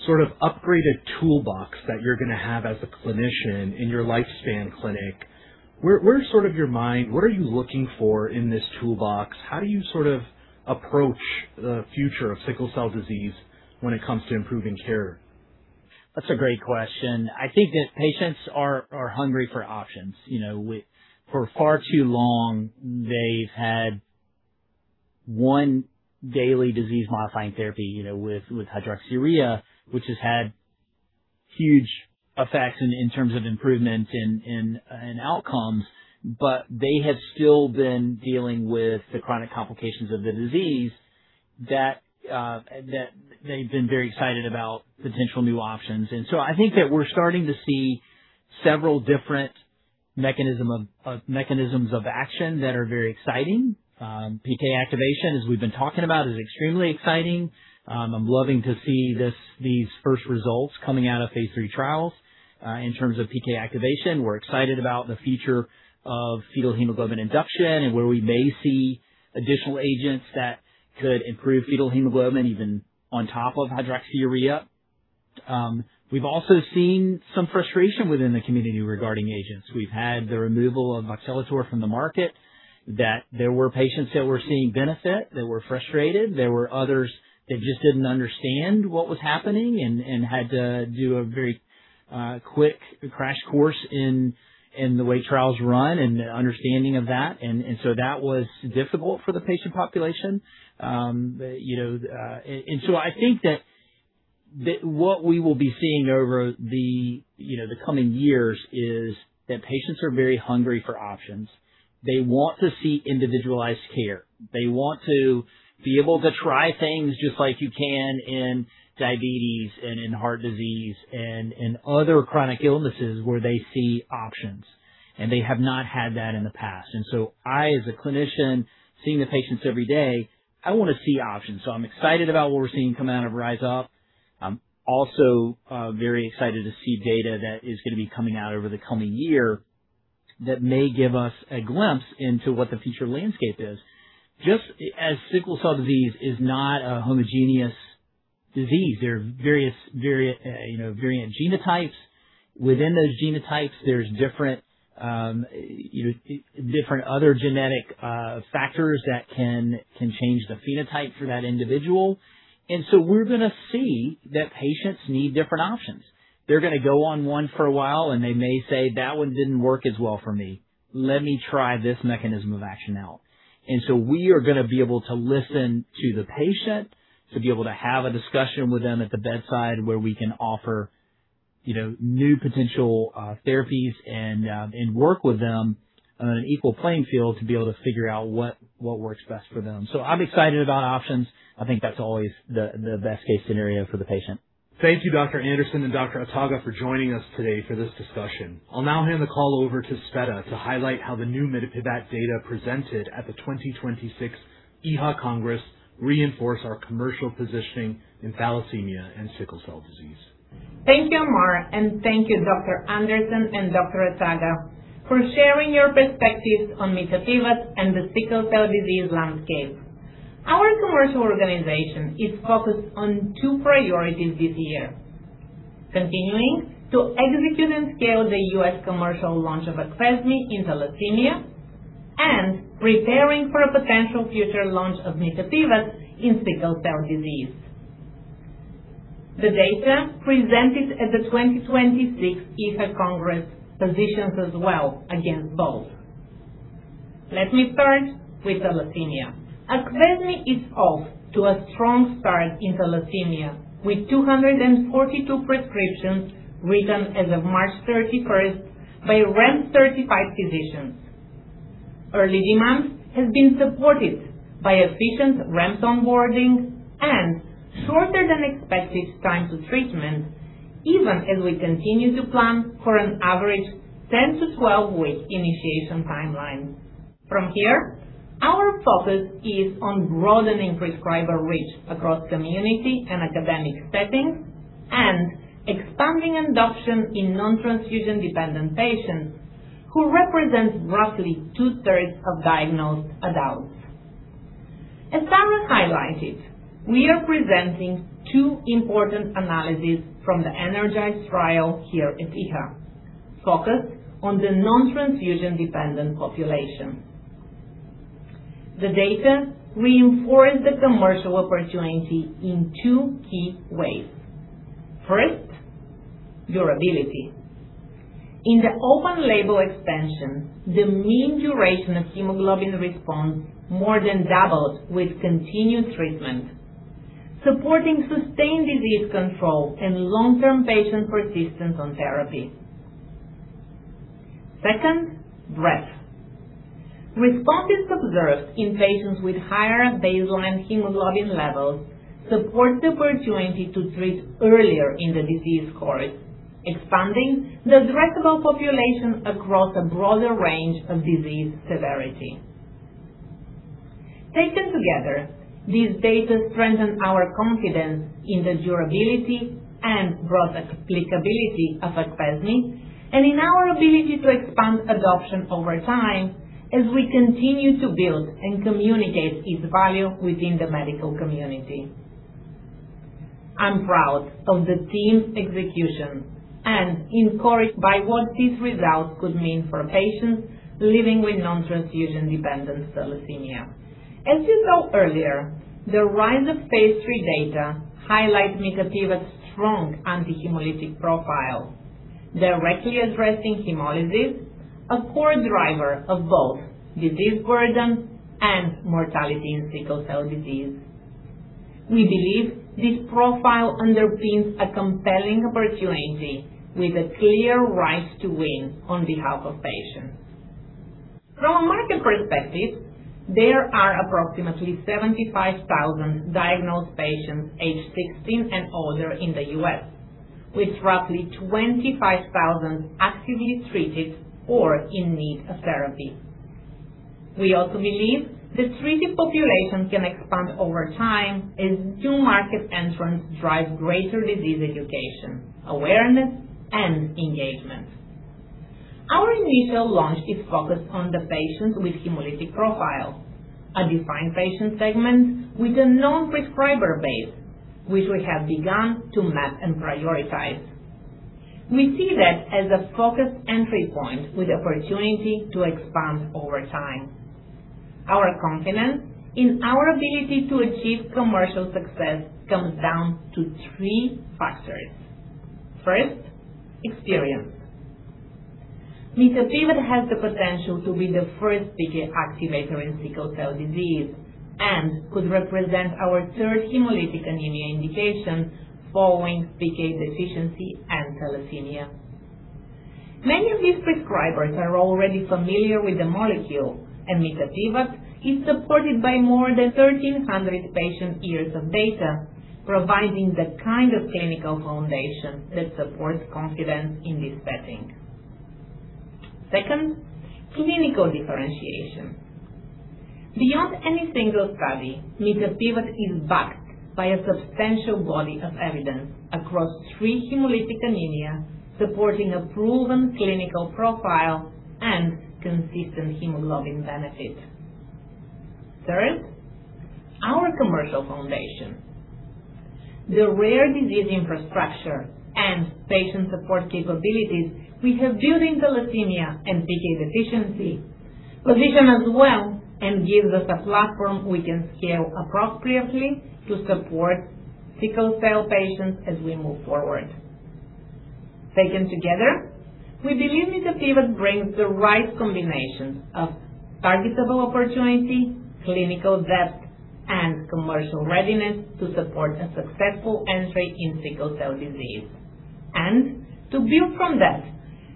sort of upgraded toolbox that you're going to have as a clinician in your lifespan clinic. Where is sort of your mind? What are you looking for in this toolbox? How do you sort of approach the future of sickle cell disease when it comes to improving care? That's a great question. I think that patients are hungry for options. For far too long, they've had one daily disease-modifying therapy, with hydroxyurea, which has had huge effects in terms of improvement in outcomes. They have still been dealing with the chronic complications of the disease, that they've been very excited about potential new options. I think that we're starting to see several different mechanisms of action that are very exciting. PK activation, as we've been talking about, is extremely exciting. I'm loving to see these first results coming out of phase III trials. In terms of PK activation, we're excited about the future of fetal hemoglobin induction and where we may see additional agents that could improve fetal hemoglobin even on top of hydroxyurea. We've also seen some frustration within the community regarding agents. We've had the removal of voxelotor from the market, that there were patients that were seeing benefit, that were frustrated. There were others that just didn't understand what was happening and had to do a very quick crash course in the way trials run and the understanding of that was difficult for the patient population. I think that what we will be seeing over the coming years is that patients are very hungry for options. They want to see individualized care. They want to be able to try things just like you can in diabetes and in heart disease and in other chronic illnesses where they see options, and they have not had that in the past. I, as a clinician, seeing the patients every day, I want to see options. I'm excited about what we're seeing come out of RISE UP. I'm also very excited to see data that is going to be coming out over the coming year that may give us a glimpse into what the future landscape is. Just as sickle cell disease is not a homogeneous disease, there are various variant genotypes. Within those genotypes, there's different other genetic factors that can change the phenotype for that individual. We're going to see that patients need different options. They're going to go on one for a while, and they may say, "That one didn't work as well for me. Let me try this mechanism of action now." We are going to be able to listen to the patient, to be able to have a discussion with them at the bedside where we can offer new potential therapies and work with them on an equal playing field to be able to figure out what works best for them. I'm excited about options. I think that's always the best-case scenario for the patient. Thank you, Dr. Anderson and Dr. Ataga, for joining us today for this discussion. I'll now hand the call over to Tsveta to highlight how the new mitapivat data presented at the 2026 EHA Congress reinforce our commercial positioning in thalassemia and sickle cell disease. Thank you, Ahmar, thank you, Dr. Anderson and Dr. Ataga, for sharing your perspectives on mitapivat and the sickle cell disease landscape. Our commercial organization is focused on two priorities this year. Continuing to execute and scale the U.S. commercial launch of AQVESME in thalassemia and preparing for a potential future launch of mitapivat in sickle cell disease. The data presented at the 2026 EHA Congress positions us well against both. Let me start with thalassemia. AQVESME is off to a strong start in thalassemia, with 242 prescriptions written as of March 31st by REMS-certified physicians. Early demand has been supported by efficient REMS onboarding and shorter than expected time to treatment, even as we continue to plan for an average 10-12 week initiation timeline. From here, our focus is on broadening prescriber reach across community and academic settings and expanding adoption in non-transfusion-dependent patients, who represent roughly two-thirds of diagnosed adults. As Sarah highlighted, we are presenting two important analyses from the ENERGIZE trial here at EHA, focused on the non-transfusion-dependent population. The data reinforce the commercial opportunity in two key ways. First, durability. In the open label expansion, the mean duration of hemoglobin response more than doubles with continued treatment, supporting sustained disease control and long-term patient persistence on therapy. Second, breadth. Responses observed in patients with higher baseline hemoglobin levels support the opportunity to treat earlier in the disease course, expanding the addressable population across a broader range of disease severity. Taken together, these data strengthen our confidence in the durability and broad applicability of AQVESME and in our ability to expand adoption over time as we continue to build and communicate its value within the medical community. I'm proud of the team's execution and encouraged by what these results could mean for patients living with non-transfusion-dependent thalassemia. As you saw earlier, the RISE UP phase III data highlight mitapivat's strong anti-hemolytic profile, directly addressing hemolysis, a core driver of both disease burden and mortality in sickle cell disease. We believe this profile underpins a compelling opportunity with a clear right to win on behalf of patients. From a market perspective, there are approximately 75,000 diagnosed patients aged 16 and older in the U.S., with roughly 25,000 actively treated or in need of therapy. We also believe the treated population can expand over time as new market entrants drive greater disease education, awareness, and engagement. Our initial launch is focused on the patients with hemolytic profile, a defined patient segment with a known prescriber base, which we have begun to map and prioritize. We see that as a focused entry point with the opportunity to expand over time. Our confidence in our ability to achieve commercial success comes down to three factors. First, experience. Mitapivat has the potential to be the first PK activator in sickle cell disease and could represent our third hemolytic anemia indication following PK deficiency and thalassemia. Many of these prescribers are already familiar with the molecule, and mitapivat is supported by more than 1,300 patient years of data, providing the kind of clinical foundation that supports confidence in this setting. Second, clinical differentiation. Beyond any single study, mitapivat is backed by a substantial body of evidence across three hemolytic anemia, supporting a proven clinical profile and consistent hemoglobin benefit. Third, our commercial foundation. The rare disease infrastructure and patient support capabilities we have built in thalassemia and PK deficiency position us well and gives us a platform we can scale appropriately to support sickle cell patients as we move forward. Taken together, we believe mitapivat brings the right combination of targetable opportunity, clinical depth commercial readiness to support a successful entry in sickle cell disease. To build from that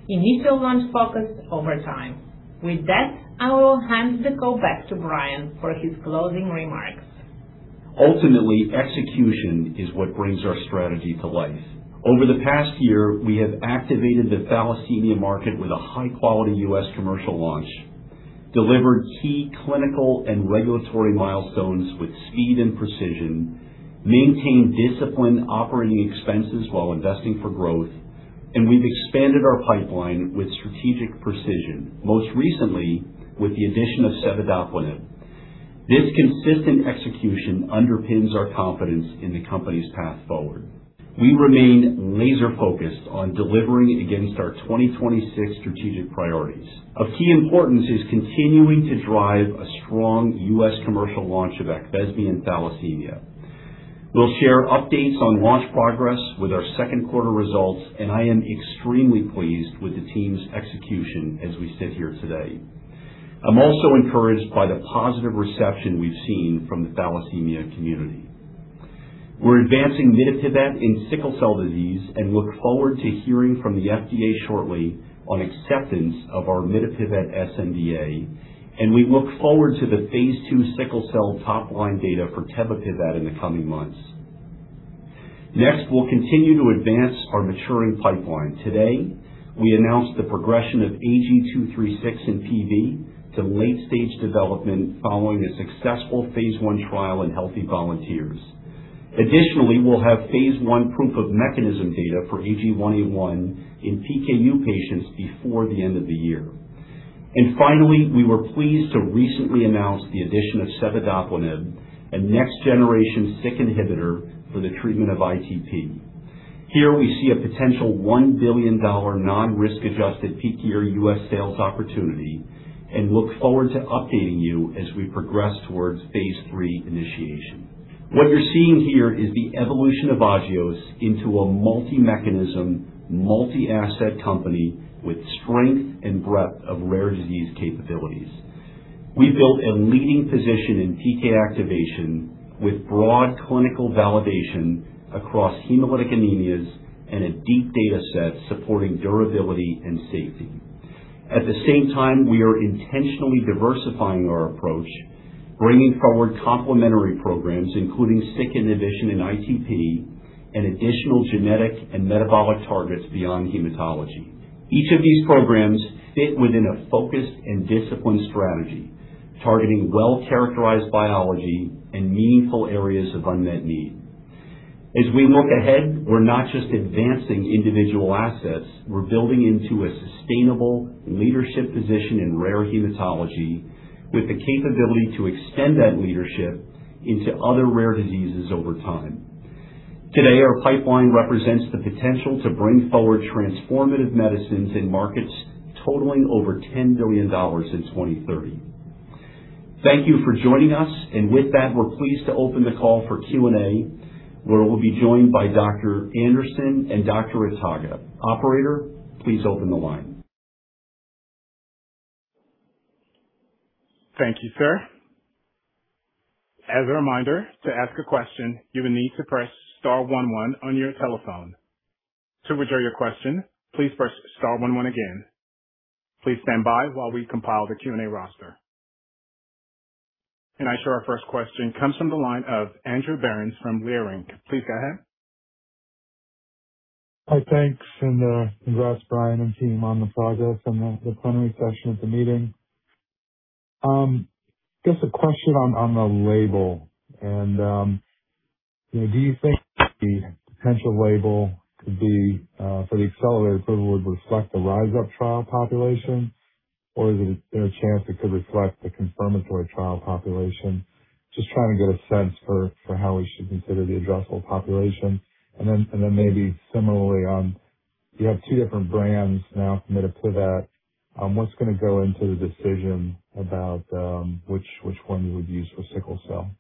initial launch focus over time. With that, I will hand the call back to Brian for his closing remarks. Ultimately, execution is what brings our strategy to life. Over the past year, we have activated the thalassemia market with a high-quality U.S. commercial launch, delivered key clinical and regulatory milestones with speed and precision, maintained disciplined operating expenses while investing for growth, and we've expanded our pipeline with strategic precision, most recently with the addition of cevidoplenib. This consistent execution underpins our confidence in the company's path forward. We remain laser-focused on delivering against our 2026 strategic priorities. Of key importance is continuing to drive a strong U.S. commercial launch of AQVESME and thalassemia. We'll share updates on launch progress with our second quarter results. I am extremely pleased with the team's execution as we sit here today. I'm also encouraged by the positive reception we've seen from the thalassemia community. We're advancing mitapivat in sickle cell disease and look forward to hearing from the FDA shortly on acceptance of our mitapivat sNDA. We look forward to the phase II sickle cell top-line data for tebapivat in the coming months. We'll continue to advance our maturing pipeline. Today, we announced the progression of AG-236 in PV to late-stage development following a successful phase I trial in healthy volunteers. Additionally, we'll have phase I proof of mechanism data for AG-181 in PKU patients before the end of the year. We were pleased to recently announce the addition of cevidoplenib, a next-generation SYK inhibitor for the treatment of ITP. Here we see a potential $1 billion non-risk adjusted peak year U.S. sales opportunity and look forward to updating you as we progress towards phase III initiation. What you're seeing here is the evolution of Agios into a multi-mechanism, multi-asset company with strength and breadth of rare disease capabilities. We built a leading position in PK activation with broad clinical validation across hemolytic anemias and a deep data set supporting durability and safety. At the same time, we are intentionally diversifying our approach, bringing forward complementary programs, including SYK inhibition in ITP and additional genetic and metabolic targets beyond hematology. Each of these programs fit within a focused and disciplined strategy, targeting well-characterized biology and meaningful areas of unmet need. As we look ahead, we're not just advancing individual assets, we're building into a sustainable leadership position in rare hematology with the capability to extend that leadership into other rare diseases over time. Today, our pipeline represents the potential to bring forward transformative medicines in markets totaling over $10 billion in 2030. Thank you for joining us. With that, we're pleased to open the call for Q&A, where we'll be joined by Dr. Anderson and Dr. Ataga. Operator, please open the line. Thank you, sir. As a reminder, to ask a question, you will need to press star one one on your telephone. To withdraw your question, please press star one one again. Please stand by while we compile the Q&A roster. I show our first question comes from the line of Andrew Berens from Leerink. Please go ahead. Hi, thanks, congrats, Brian and team, on the progress on the preliminary session at the meeting. Just a question on the label. Do you think the potential label could be for the accelerated approval would reflect the RISE UP trial population, or is there a chance it could reflect the confirmatory trial population? Just trying to get a sense for how we should consider the addressable population. Then maybe similarly, you have two different brands now for mitapivat. What's going to go into the decision about which one you would use for sickle cell?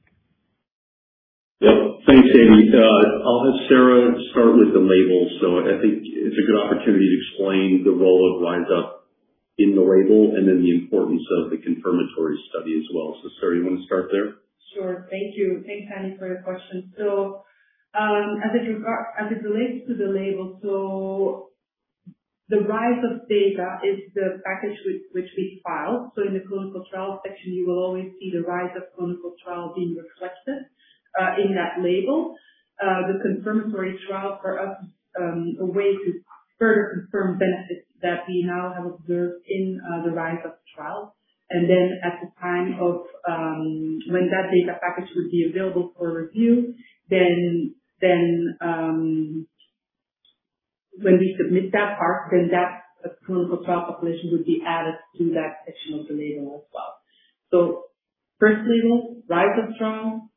Thanks, Andy. I'll have Sarah start with the label. I think it's a good opportunity to explain the role of RISE UP in the label and then the importance of the confirmatory study as well. Sarah, you want to start there? Sure. Thank you. Thanks, Andy, for your question. As it relates to the label, the RISE UP data is the package which we filed. In the clinical trial section, you will always see the RISE UP clinical trial being reflected in that label. The confirmatory trial for us is a way to further confirm benefits that we now have observed in the RISE UP trial. At the time of when that data package would be available for review, when we submit that part, that clinical trial population would be added to that section of the label as well. First label, RISE UP trial,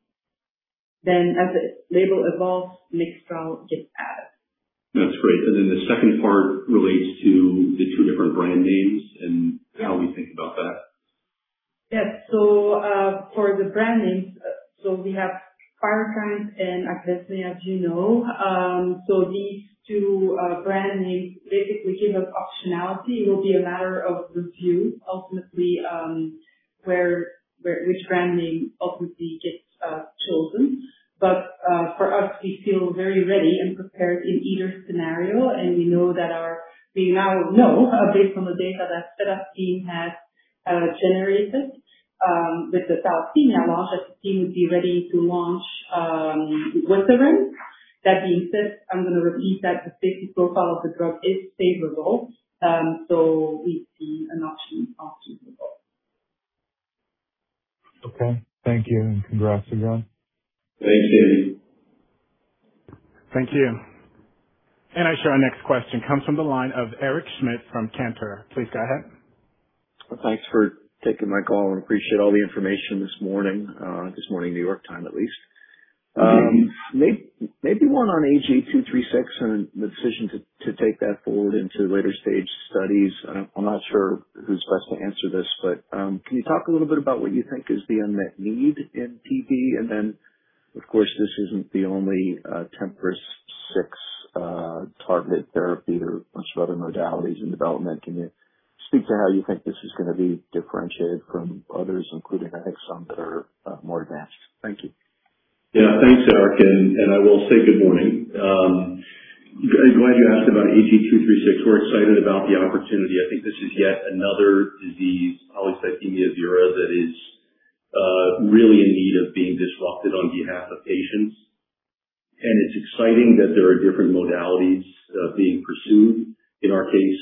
as the label evolves, next trial gets added. That's great. The second part relates to the two different brand names and how we think about that. Yes. For the brand names, we have PYRUKYND and AQVESME, as you know. These two brand names basically give us optionality. It will be a matter of review, ultimately, which brand name gets chosen. For us, we feel very ready and prepared in either scenario. We now know, based on the data that Tsveta's team has generated with the thalassemia launch, that the team would be ready to launch with a win. That being said, I'm going to repeat that the safety profile of the drug is favorable. We see an option after the go. Okay. Thank you, and congrats again. Thanks Andy. Thank you. I show our next question comes from the line of Eric Schmidt from Cantor. Please go ahead. Thanks for taking my call and appreciate all the information this morning. This morning, New York time at least. Maybe one on AG-236 and the decision to take that forward into later-stage studies. I'm not sure who's best to answer this. Can you talk a little bit about what you think is the unmet need in PV? Then, of course, this isn't the only TMPRSS6 targeted therapy. There are other modalities in development. Can you speak to how you think this is going to be differentiated from others, including, I think, some that are more advanced? Thank you. Yeah. Thanks, Eric, and I will say good morning. I'm glad you asked about AG-236. We're excited about the opportunity. I think this is yet another disease, polycythemia vera, that is really in need of being disrupted on behalf of patients. It's exciting that there are different modalities being pursued. In our case,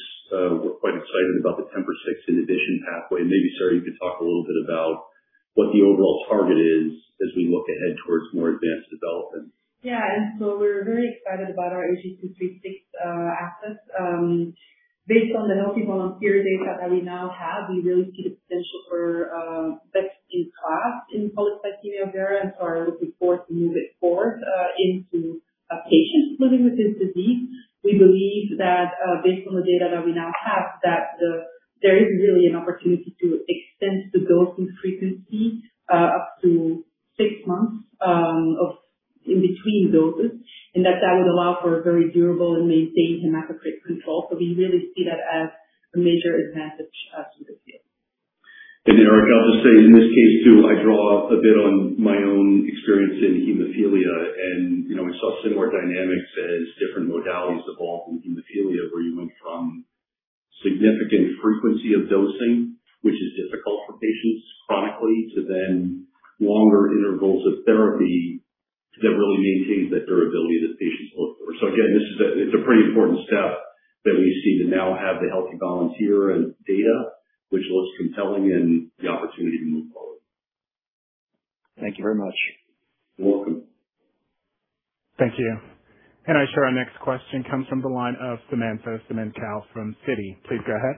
we're quite excited about the TMPRSS6 inhibition pathway. Maybe, Sarah, you could talk a little bit about what the overall target is as we look ahead towards more advanced development. Yeah. We're very excited about our AG-236 assets. Based on the healthy volunteer data that we now have, we really see the potential for best in class in polycythemia vera and so are looking forward to move it forward into patients living with this disease. We believe that based on the data that we now have, that there is really an opportunity to extend the dosing frequency up to six months in between doses, and that that would allow for very durable and maintained hematocrit control. We really see that as a major advantage to the field. Eric, I'll just say in this case, too, I draw a bit on my own experience in hemophilia, and we saw similar dynamics as different modalities evolved in hemophilia, where you went from significant frequency of dosing, which is difficult for patients chronically, to then longer intervals of therapy that really maintains the durability that patients look for. Again, it's a pretty important step that we see to now have the healthy volunteer and data which looks compelling and the opportunity to move forward. Thank you very much. You're welcome. Thank you. I show our next question comes from the line of Samantha Semenkow from Citi. Please go ahead.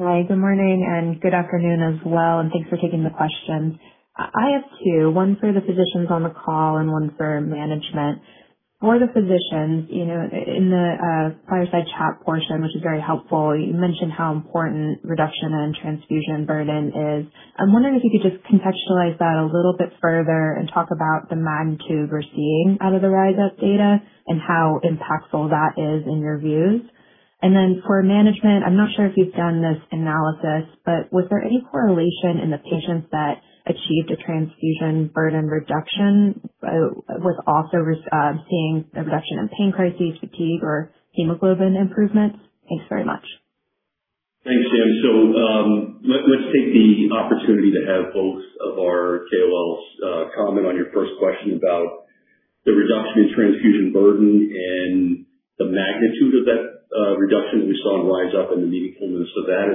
Hi, good morning and good afternoon as well, thanks for taking the question. I have two, one for the physicians on the call and one for management. For the physicians, in the fireside chat portion, which is very helpful, you mentioned how important reduction in transfusion burden is. I'm wondering if you could just contextualize that a little bit further and talk about the magnitude we're seeing out of the RISE UP data and how impactful that is in your views. Then for management, I'm not sure if you've done this analysis, but was there any correlation in the patients that achieved a transfusion burden reduction with also seeing a reduction in pain crises, fatigue, or hemoglobin improvements? Thanks very much. Thanks, Sam. Let's take the opportunity to have both of our KOLs comment on your first question about the reduction in transfusion burden and the magnitude of that reduction that we saw in RISE UP and the meaningfulness of that.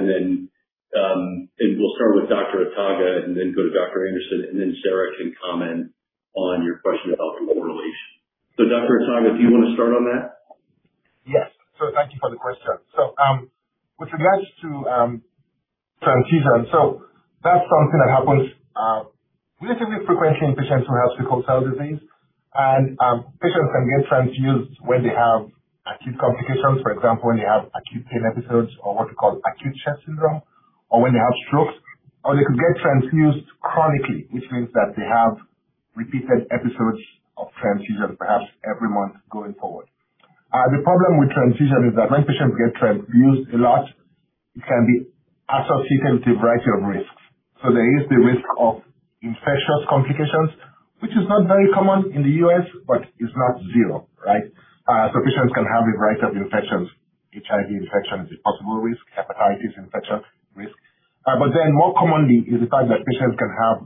We'll start with Dr. Ataga and then go to Dr. Anderson, and then Sarah can comment on your question about the correlation. Dr. Ataga, do you want to start on that? Yes. Thank you for the question. With regards to transfusion, that's something that happens relatively frequently in patients who have sickle cell disease. Patients can get transfused when they have acute complications. For example, when they have acute pain episodes or what we call acute chest syndrome, or when they have strokes, or they could get transfused chronically, which means that they have repeated episodes of transfusion perhaps every month going forward. The problem with transfusion is that when patients get transfused a lot, it can be associated with a variety of risks. There is the risk of infectious complications, which is not very common in the U.S., but it's not zero, right? Patients can have a variety of infections. HIV infection is a possible risk. Hepatitis infection risk. More commonly is the fact that patients can have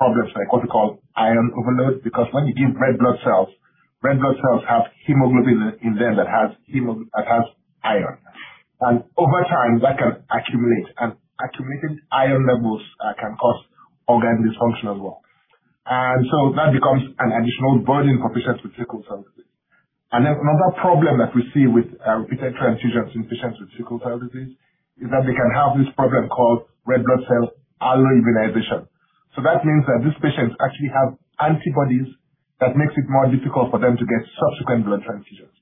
problems like what we call iron overload, because when you give red blood cells, red blood cells have hemoglobin in them that has iron. Over time, that can accumulate, and accumulated iron levels can cause organ dysfunction as well. That becomes an additional burden for patients with sickle cell disease. Another problem that we see with repeated transfusions in patients with sickle cell disease is that they can have this problem called red blood cell alloimmunization. That means that these patients actually have antibodies that makes it more difficult for them to get subsequent blood transfusions.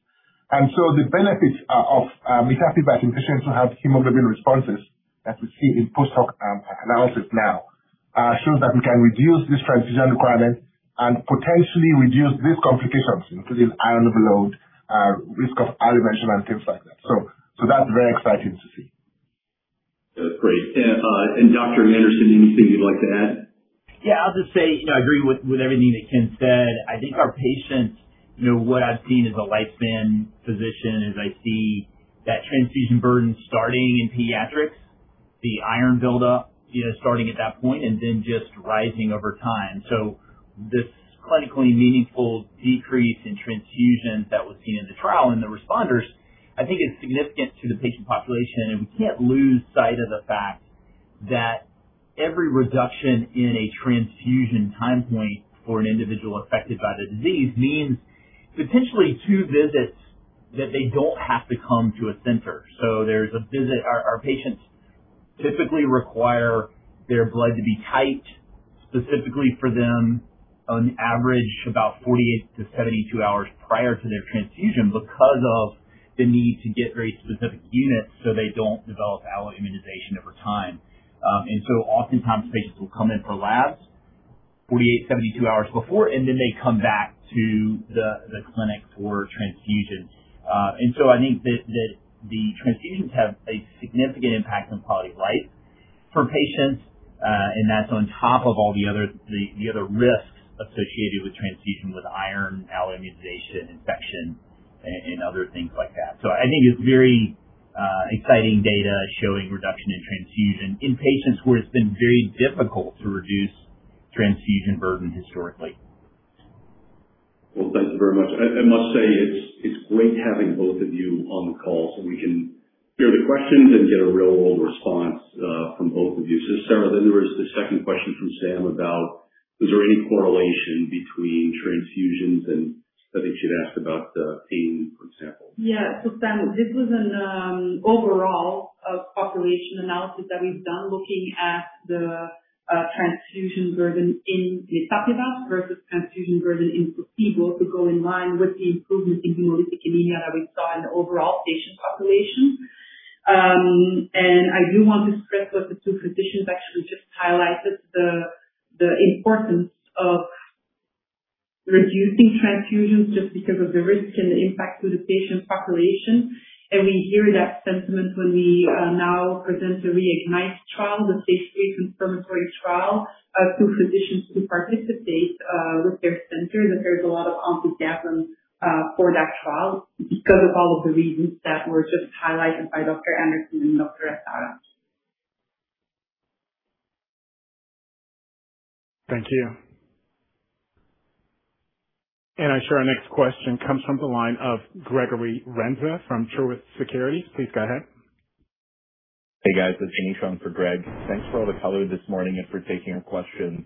The benefits of mitapivat in patients who have hemoglobin responses, as we see in post-hoc analysis now, shows that we can reduce this transfusion requirement and potentially reduce these complications, including iron overload, risk of aggravation, and things like that. That's very exciting to see. That's great. Dr. Anderson, anything you'd like to add? I'll just say, I agree with everything that Ken said. I think our patients, what I've seen as a lifespan physician is I see that transfusion burden starting in pediatrics, the iron buildup starting at that point, just rising over time. This clinically meaningful decrease in transfusion that was seen in the trial in the responders, I think is significant to the patient population. We can't lose sight of the fact that every reduction in a transfusion time point for an individual affected by the disease means potentially two visits that they don't have to come to a center. There's a visit. Our patients typically require their blood to be typed specifically for them on average about 48-72 hours prior to their transfusion because of the need to get very specific units so they don't develop alloimmunization over time. Oftentimes patients will come in for labs 48, 72 hours before, then they come back to the clinic for transfusion. I think that the transfusions have a significant impact on quality of life for patients. That's on top of all the other risks associated with transfusion, with iron, alloimmunization, infection, and other things like that. I think it's very exciting data showing reduction in transfusion in patients where it's been very difficult to reduce transfusion burden historically. Well, thank you very much. I must say it's great having both of you on the call so we can hear the questions and get a real response from both of you. Sarah, then there was the second question from Sam about is there any correlation between transfusions and I think she'd asked about the pain, for example. Yeah. Sam, this was an overall population analysis that we've done looking at the transfusion burden in mitapivat versus transfusion burden in placebo to go in line with the improvement in hemolytic anemia that we saw in the overall patient population. I do want to stress what the two physicians actually just highlighted, the importance of reducing transfusions just because of the risk and the impact to the patient population. We hear that sentiment when we now present the REIGNITE trial, the phase III confirmatory trial, to physicians who participate with their center, that there's a lot of enthusiasm for that trial because of all of the reasons that were just highlighted by Dr. Anderson and Dr. Ataga. Thank you. I show our next question comes from the line of Gregory Renza from Truist Securities. Please go ahead. Hey, guys. It's Aneesh on for Greg. Thanks for all the color this morning and for taking our questions.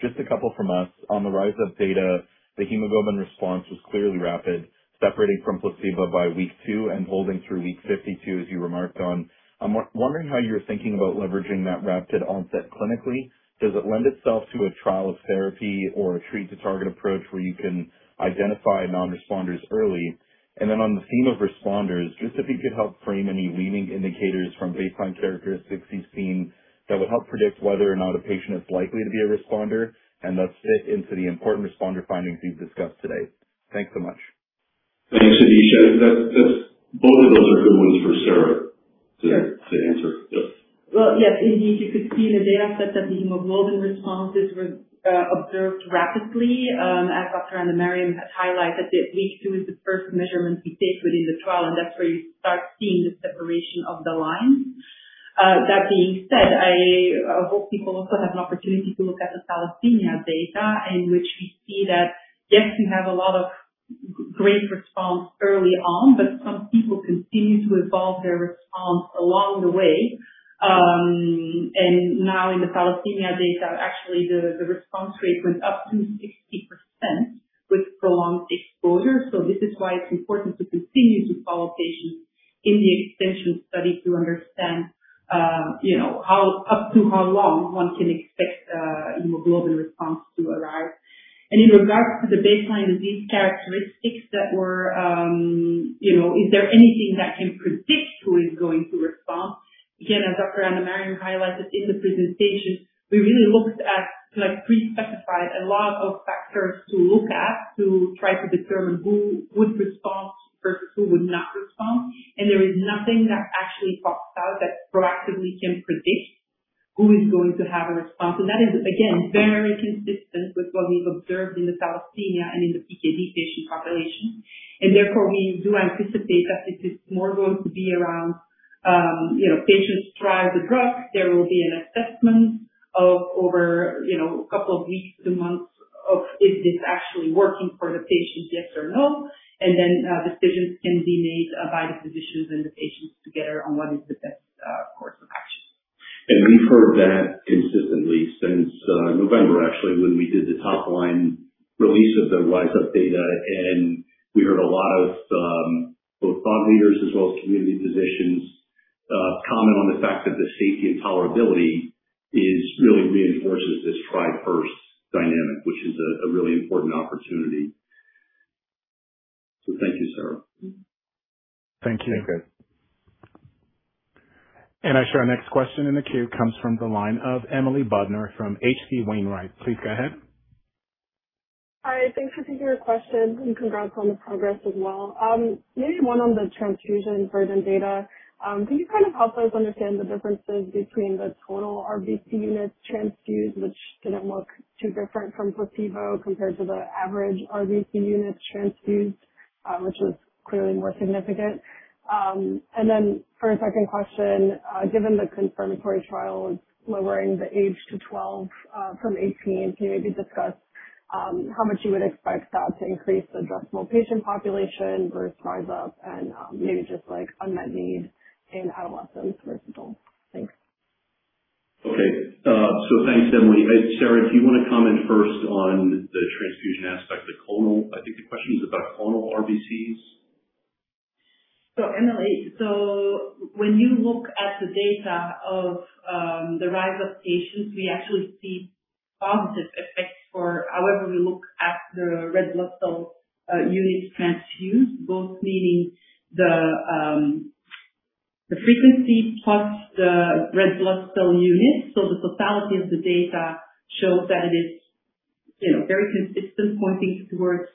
Just a couple from us. On the RISE UP data, the hemoglobin response was clearly rapid, separating from placebo by week two and holding through week 52, as you remarked on. I'm wondering how you're thinking about leveraging that rapid onset clinically. Does it lend itself to a trial of therapy or a treat to target approach where you can identify non-responders early? On the theme of responders, just if you could help frame any leading indicators from baseline characteristics you've seen that would help predict whether or not a patient is likely to be a responder and thus fit into the important responder findings we've discussed today. Thanks so much. Thanks, Aneesh. Both of those are good ones for Sarah to answer. Well, yes, indeed. You could see in the data that the hemoglobin responses were observed rapidly. As Dr. Andemariam has highlighted, that week two is the first measurement we take within the trial, and that's where you start seeing the separation of the lines. That being said, I hope people also have an opportunity to look at the thalassemia data in which we see that, yes, you have a lot of great response early on, but some people continue to evolve their response along the way. Now in the thalassemia data, actually, the response rate went up to 60% with prolonged exposure. This is why it's important to continue to follow patients in the extension study to understand up to how long one can expect a hemoglobin response to arrive. In regards to the baseline disease characteristics that were, is there anything that can predict who is going to respond? Again, as Dr. Andemariam highlighted in the presentation, we really looked at pre-specified a lot of factors to look at to try to determine who would respond versus who would not respond. There is nothing that actually pops out that proactively can predict who is going to have a response. That is, again, very consistent with what we've observed in the thalassemia and in the PKD patient population. Therefore, we do anticipate that this is more going to be around patients try the drug, there will be an assessment of over a couple of weeks to months of is this actually working for the patient, yes or no, then decisions can be made by the physicians and the patients together on what is the best course of action. We've heard that consistently since November, actually, when we did the top line release of the RISE UP data, we heard a lot of both thought leaders as well as community physicians comment on the fact that the safety and tolerability really reinforces this try first dynamic, which is a really important opportunity. Thank you, Sarah. Thank you. Okay. I show our next question in the queue comes from the line of Emily Bodnar from H.C. Wainwright. Please go ahead. Hi. Thanks for taking our question and congrats on the progress as well. One on the transfusion version data. Can you kind of help us understand the differences between the total RBC units transfused, which didn't look too different from placebo, compared to the average RBC units transfused, which was clearly more significant? For a second question, given the confirmatory trial is lowering the age to 12 from 18, can you discuss how much you would expect that to increase the addressable patient population versus RISE UP and unmet need in adolescents versus adults? Thanks. Thanks, Emily. Sarah, do you want to comment first on the transfusion aspect, the total? I think the question is about total RBCs. Emily, when you look at the data of the RISE UP patients, we actually see positive effects for however we look at the red blood cell units transfused, both meaning the frequency plus the red blood cell units. The totality of the data shows that it is very consistent, pointing towards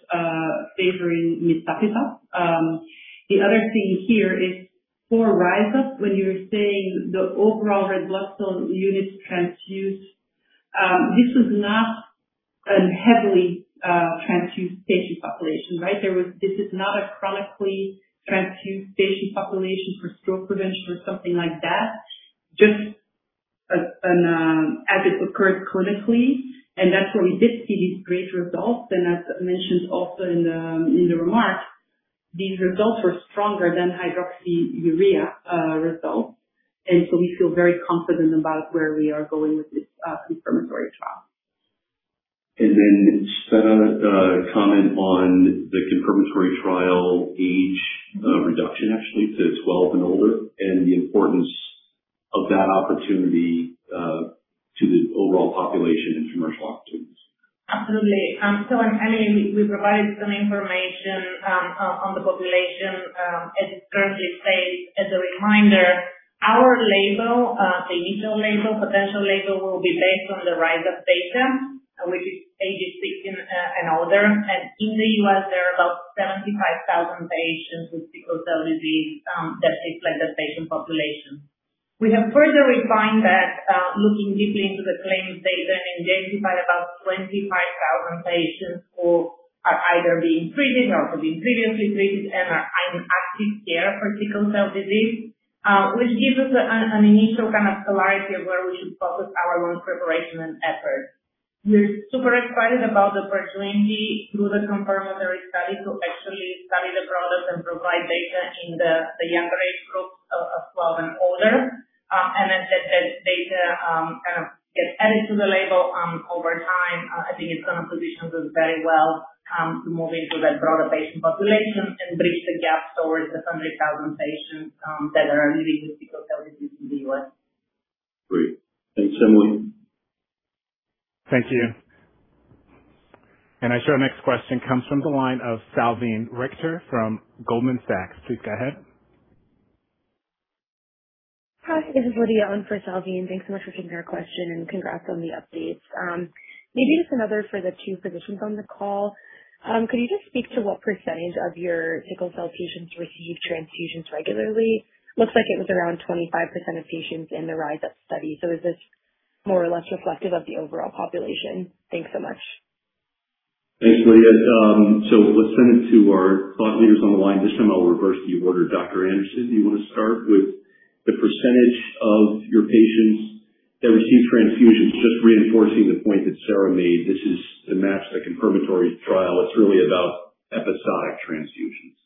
favoring mitapivat. The other thing here is for RISE UP, when you're saying the overall red blood cell units transfused, this was not a heavily transfused patient population, right? This is not a chronically transfused patient population for stroke prevention or something like that, just as it occurred clinically. That's where we did see these great results. As mentioned also in the remarks, these results were stronger than hydroxyurea results. We feel very confident about where we are going with this confirmatory trial. Sarah, comment on the confirmatory trial age reduction actually to 12 and older and the importance of that opportunity to the overall population and commercial opportunities. Absolutely. Emily, we provided some information on the population as it currently stands. As a reminder, our label, the initial label, potential label, will be based on the RISE UP data, which is ages 16 and older. In the U.S., there are about 75,000 patients with sickle cell disease that fits the patient population. We have further refined that looking deeply into the claims data and identified about 25,000 patients who are either being treated or have been previously treated and are in active care for sickle cell disease, which gives us an initial kind of clarity of where we should focus our launch preparation and efforts. We're super excited about the opportunity through the confirmatory study to actually study the product and provide data in the younger age group of 12 and older. As that data kind of gets added to the label over time, I think it positions us very well to move into that broader patient population and bridge the gap towards the 100,000 patients that are living with sickle cell disease in the U.S. Great. Thanks, Emily. Thank you. I show our next question comes from the line of Salveen Richter from Goldman Sachs. Please go ahead. Hi, this is Lydia on for Salveen. Thanks so much for taking our question, and congrats on the updates. Maybe just another for the two physicians on the call. Could you just speak to what percentage of your sickle cell patients receive transfusions regularly? Looks like it was around 25% of patients in the RISE UP study. Is this more or less reflective of the overall population? Thanks so much. Thanks, Lydia. Let's send it to our thought leaders on the line. This time I'll reverse the order. Dr. Anderson, do you want to start with the percentage of your patients that receive transfusions? Just reinforcing the point that Sarah made, this is to match the confirmatory trial. It's really about episodic transfusions.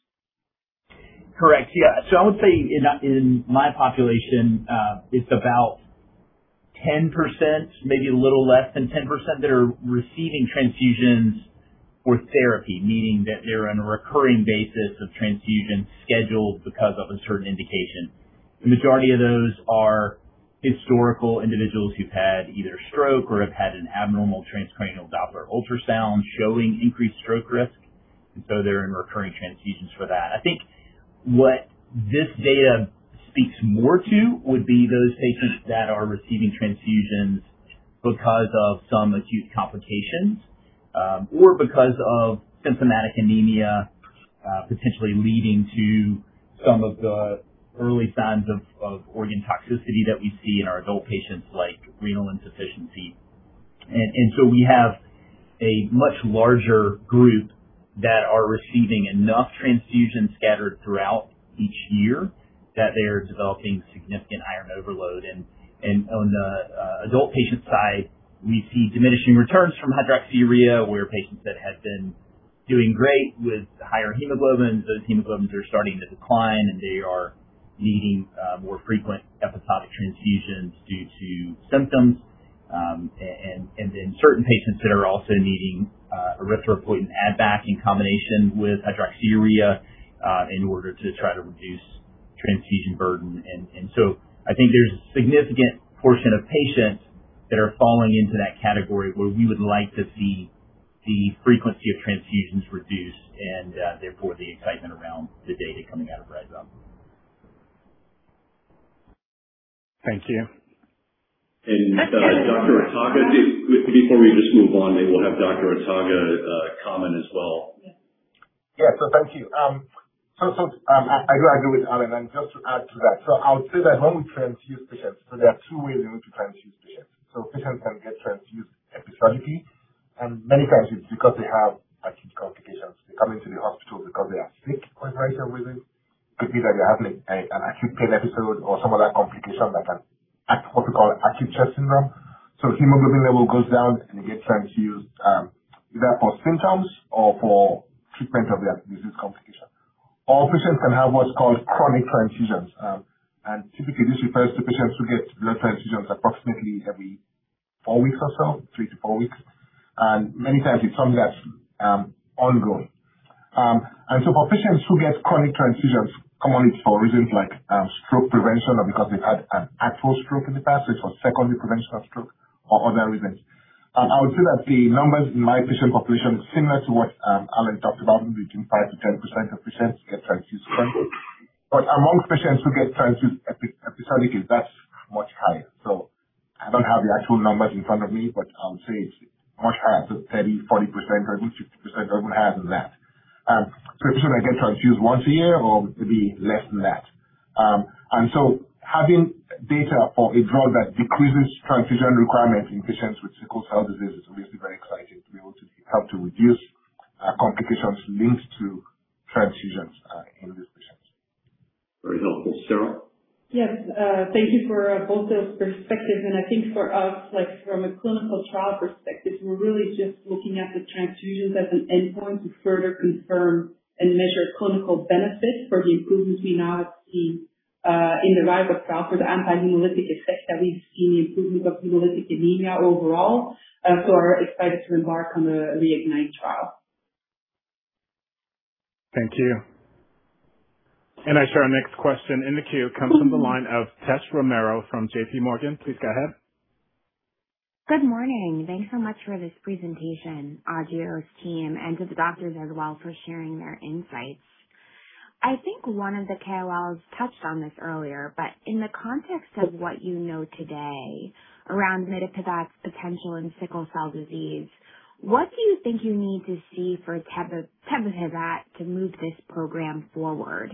Correct. I would say in my population, it's about 10%, maybe a little less than 10%, that are receiving transfusions for therapy, meaning that they're on a recurring basis of transfusion schedules because of a certain indication. The majority of those are historical individuals who've had either stroke or have had an abnormal transcranial Doppler ultrasound showing increased stroke risk. They're in recurring transfusions for that. I think what this data speaks more to would be those patients that are receiving transfusions because of some acute complications or because of symptomatic anemia potentially leading to some of the early signs of organ toxicity that we see in our adult patients, like renal insufficiency. We have a much larger group that are receiving enough transfusions scattered throughout each year that they are developing significant iron overload. On the adult patient side, we see diminishing returns from hydroxyurea, where patients that had been doing great with higher hemoglobin, those hemoglobin's are starting to decline, and they are needing more frequent episodic transfusions due to symptoms. In certain patients that are also needing erythropoietin add-back in combination with hydroxyurea in order to try to reduce transfusion burden. I think there's a significant portion of patients that are falling into that category where we would like to see the frequency of transfusions reduced and therefore the excitement around the data coming out of REIGNITE. Thank you. Dr. Ataga, before we just move on, maybe we'll have Dr. Ataga comment as well. Thank you. I do agree with Alan, just to add to that. I would say that when we transfuse patients, there are two ways in which we transfuse patients. Patients can get transfused episodically, and many times it's because they have acute complications. They come into the hospital because they are sick for whatever reason. Could be that they're having an acute pain episode or some other complication that can, what we call acute chest syndrome. Hemoglobin level goes down, and they get transfused, either for symptoms or for treatment of their disease complication. Patients can have what's called chronic transfusions. Typically, this refers to patients who get blood transfusions approximately every four weeks or so, three-four weeks. Many times it's something that's ongoing. For patients who get chronic transfusions, commonly it's for reasons like stroke prevention or because they've had an actual stroke in the past. It's for secondary prevention of stroke or other reasons. I would say that the numbers in my patient population are similar to what Alan talked about, between 5%-10% of patients get transfused. Among patients who get transfused episodically, that's much higher. I don't have the actual numbers in front of me, but I would say it's much higher, 30%-40%, 30%-50%, even higher than that. Patients that get transfused once a year or maybe less than that. Having data of a drug that decreases transfusion requirements in patients with sickle cell disease is obviously very exciting to be able to help to reduce complications linked to transfusions in these patients. Very helpful. Sarah? Yes. Thank you for both those perspectives. I think for us, from a clinical trial perspective, we're really just looking at the transfusions as an endpoint to further confirm and measure clinical benefit for the improvements we now have seen in the RISE UP trial for the anti-hemolytic effect that we've seen, the improvement of hemolytic anemia overall. We're excited to embark on the REIGNITE trial. Thank you. I see our next question in the queue comes from the line of Tess Romero from JPMorgan. Please go ahead. Good morning. Thanks so much for this presentation, Agios team, and to the doctors as well for sharing their insights. I think one of the KOLs touched on this earlier. In the context of what you know today around mitapivat's potential in sickle cell disease, what do you think you need to see for tebapivat to move this program forward?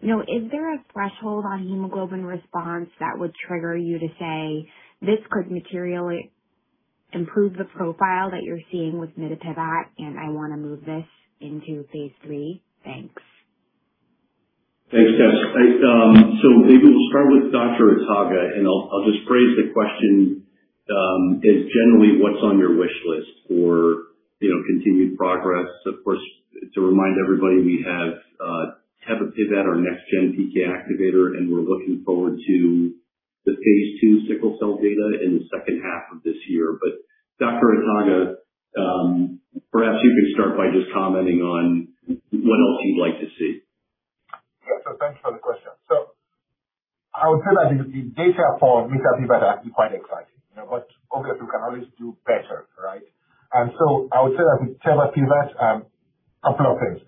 Is there a threshold on hemoglobin response that would trigger you to say, "This could materially improve the profile that you're seeing with mitapivat, and I want to move this into phase III?" Thanks. Thanks, Tess. Maybe we'll start with Dr. Ataga, and I'll just phrase the question as generally what's on your wish list for continued progress? Of course, to remind everybody, we have tebapivat, our next-gen PK activator, and we're looking forward to the phase II sickle cell data in the second half of this year. Dr. Ataga, perhaps you could start by just commenting on what else you'd like to see. Thanks for the question. I would say that the data for mitapivat is quite exciting. Obviously, we can always do better, right? I would say that with tebapivat, a couple of things.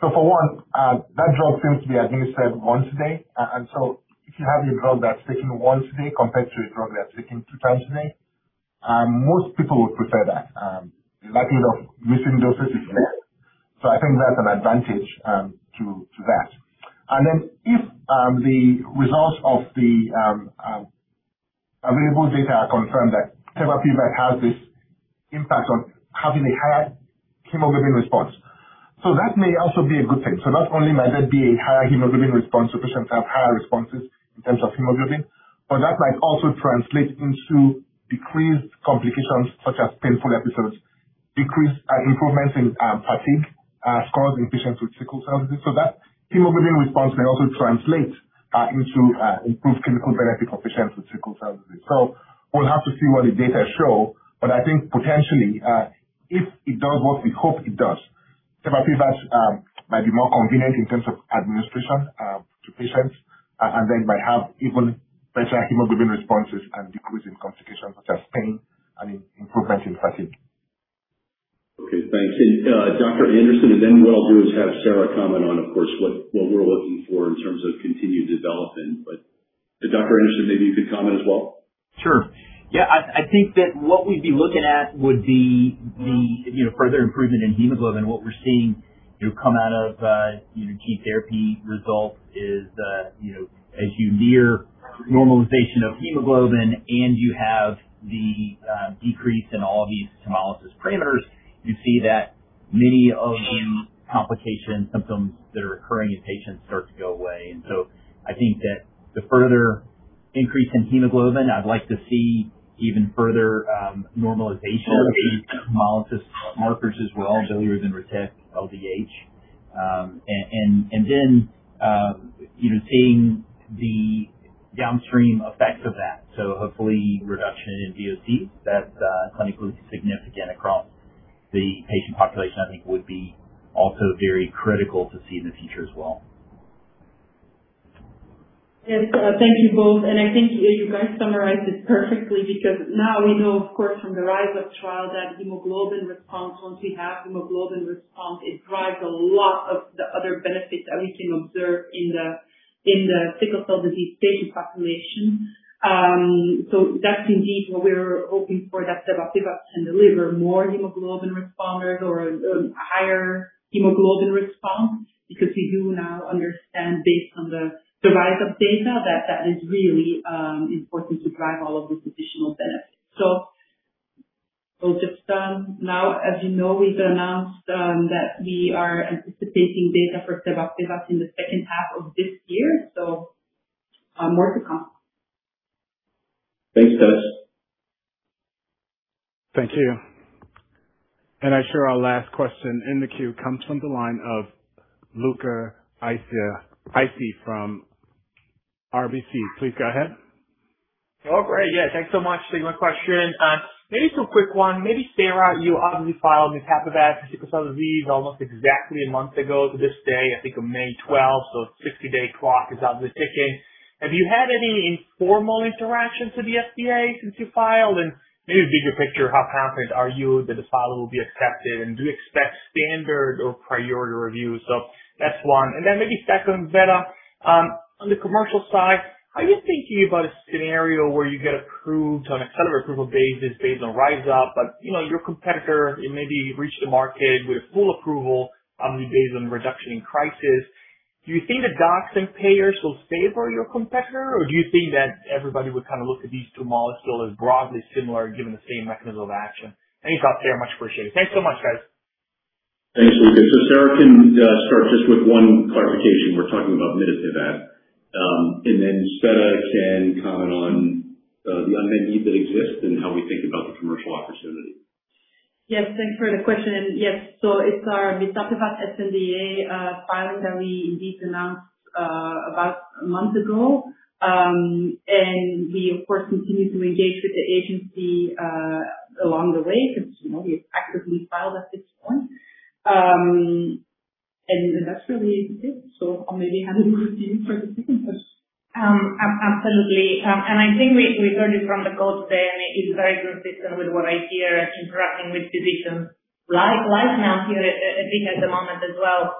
For one, that drug seems to be administered once a day. If you have a drug that's taken once a day compared to a drug that's taken two times a day, most people would prefer that. The likelihood of missing doses is less. I think that's an advantage to that. If the results of the available data confirm that tebapivat has this impact on having a higher hemoglobin response. That may also be a good thing. Not only might there be a higher hemoglobin response. Patients have higher responses in terms of hemoglobin. That might also translate into decreased complications such as painful episodes, improvements in fatigue scores in patients with sickle cell disease. That hemoglobin response may also translate into improved clinical benefit for patients with sickle cell disease. We'll have to see what the data show. I think potentially, if it does what we hope it does, tebapivat might be more convenient in terms of administration to patients, and then might have even better hemoglobin responses and decrease in complications such as pain and improvements in fatigue. Okay, thanks. Dr. Anderson, what I'll do is have Sarah comment on, of course, what we're looking for in terms of continued development. Dr. Anderson, maybe you could comment as well? Sure. Yeah, I think that what we'd be looking at would be the further improvement in hemoglobin. What we're seeing come out of gene therapy results is that as you near normalization of hemoglobin and you have the decrease in all these hemolysis parameters, you see that many of the complication symptoms that are occurring in patients start to go away. I think that the further increase in hemoglobin, I'd like to see even further normalization of the hemolysis markers as well, bilirubin, retic, LDH. Seeing the downstream effects of that. Hopefully reduction in VOC that's clinically significant across the patient population, I think would be also very critical to see in the future as well. Yes. Thank you both. I think you guys summarized it perfectly because now we know, of course, from the RISE UP trial that hemoglobin response, once we have hemoglobin response, it drives a lot of the other benefits that we can observe in the sickle cell disease patient population. That's indeed what we're hoping for, that tebapivat can deliver more hemoglobin responders or a higher hemoglobin response because we do now understand based on the RISE UP data that that is really important to drive all of these additional benefits. Just, now as you know, we've announced that we are anticipating data for tebapivat in the second half of this year, more to come. Thanks, Tess. Thank you. I share our last question in the queue comes from the line of Luca Issi from RBC. Please go ahead. Oh, great. Yeah. Thanks so much for taking my question. Maybe two quick one. Maybe Sarah, you obviously filed mitapivat for sickle cell disease almost exactly a month ago to this day, I think of May 12th. A 60-day clock is obviously ticking. Have you had any informal interactions with the FDA since you filed? Maybe bigger picture, how confident are you that the file will be accepted and do you expect standard or priority review? That's one. Then maybe second, Tsveta, on the commercial side, are you thinking about a scenario where you get approved on Accelerated Approval basis based on RISE UP, but your competitor maybe reached the market with full approval, obviously based on reduction in crisis. Do you think the docs and payers will favor your competitor, or do you think that everybody would look at these two molecules still as broadly similar given the same mechanism of action? Any thoughts there, much appreciated. Thanks so much, guys. Thanks, Luca. Sarah can start just with one clarification. We're talking about mitapivat. Then Tsveta can comment on the unmet need that exists and how we think about the commercial opportunity. Yes, thanks for the question. Yes, it's our mitapivat sNDA filing that we indeed announced about a month ago. We, of course, continue to engage with the agency along the way because we effectively filed at this point. That's really it. Maybe hand it over to you for the second question. Absolutely. I think we heard it from the KOLs there, and it's very consistent with what I hear interacting with physicians right now here at the meeting at the moment as well.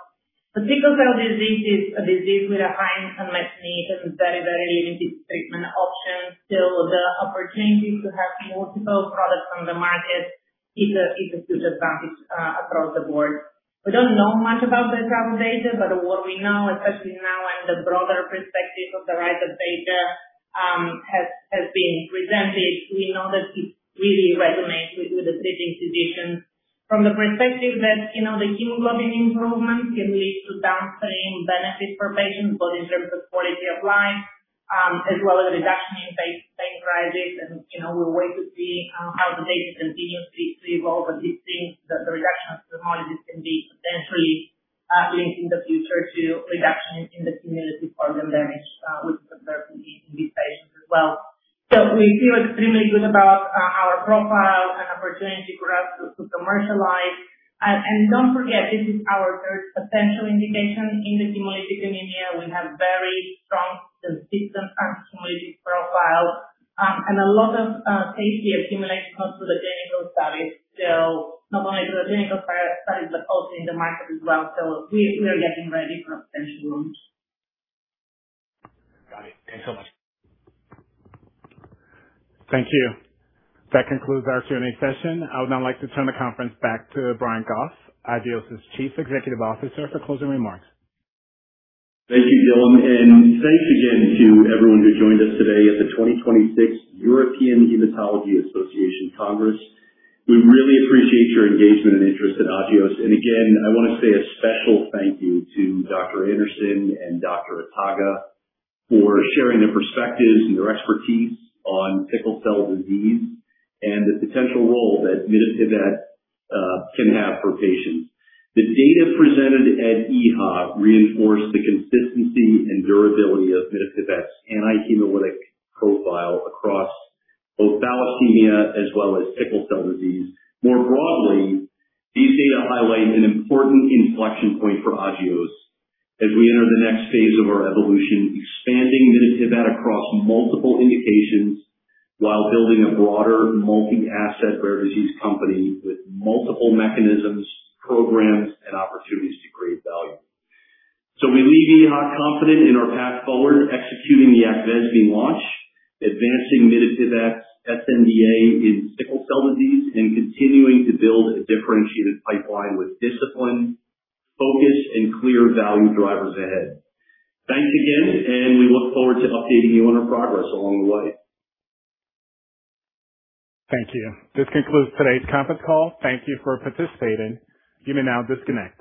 The sickle cell disease is a disease with a high unmet need and very limited treatment options still. The opportunity to have multiple products on the market is a huge advantage across the board. We don't know much about the trial data, but what we know, especially now and the broader perspective of the RISE UP data has been presented. We know that it really resonates with the treating physicians from the perspective that the hemoglobin improvement can lead to downstream benefit for patients, both in terms of quality of life as well as reduction in pain crisis. We'll wait to see how the data continuously evolve, but we think that the reduction of the modalities can be potentially linked in the future to reduction in the cumulative organ damage we've observed in these patients as well. We feel extremely good about our profile and opportunity for us to commercialize. Don't forget, this is our third potential indication in the hemolytic anemia. We have very strong and consistent hemolytic profile and a lot of safety accumulated not through the clinical studies, not only through the clinical studies but also in the market as well. We are getting ready for potential launch. Got it. Thanks so much. Thank you. That concludes our Q&A session. I would now like to turn the conference back to Brian Goff, Agios's Chief Executive Officer, for closing remarks. Thank you, Dylan, and thanks again to everyone who joined us today at the 2026 European Hematology Association Congress. We really appreciate your engagement and interest in Agios. Again, I want to say a special thank you to Dr. Anderson and Dr. Ataga for sharing their perspectives and their expertise on sickle cell disease and the potential role that mitapivat can have for patients. The data presented at EHA reinforced the consistency and durability of mitapivat's anti-hemolytic profile across both thalassemia as well as sickle cell disease. More broadly, these data highlight an important inflection point for Agios as we enter the next phase of our evolution, expanding mitapivat across multiple indications while building a broader multi-asset rare disease company with multiple mechanisms, programs, and opportunities to create value. We leave EHA confident in our path forward, executing the AQVESME launch, advancing mitapivat's sNDA in sickle cell disease, and continuing to build a differentiated pipeline with discipline, focus, and clear value drivers ahead. Thanks again, and we look forward to updating you on our progress along the way. Thank you. This concludes today's conference call. Thank you for participating. You may now disconnect.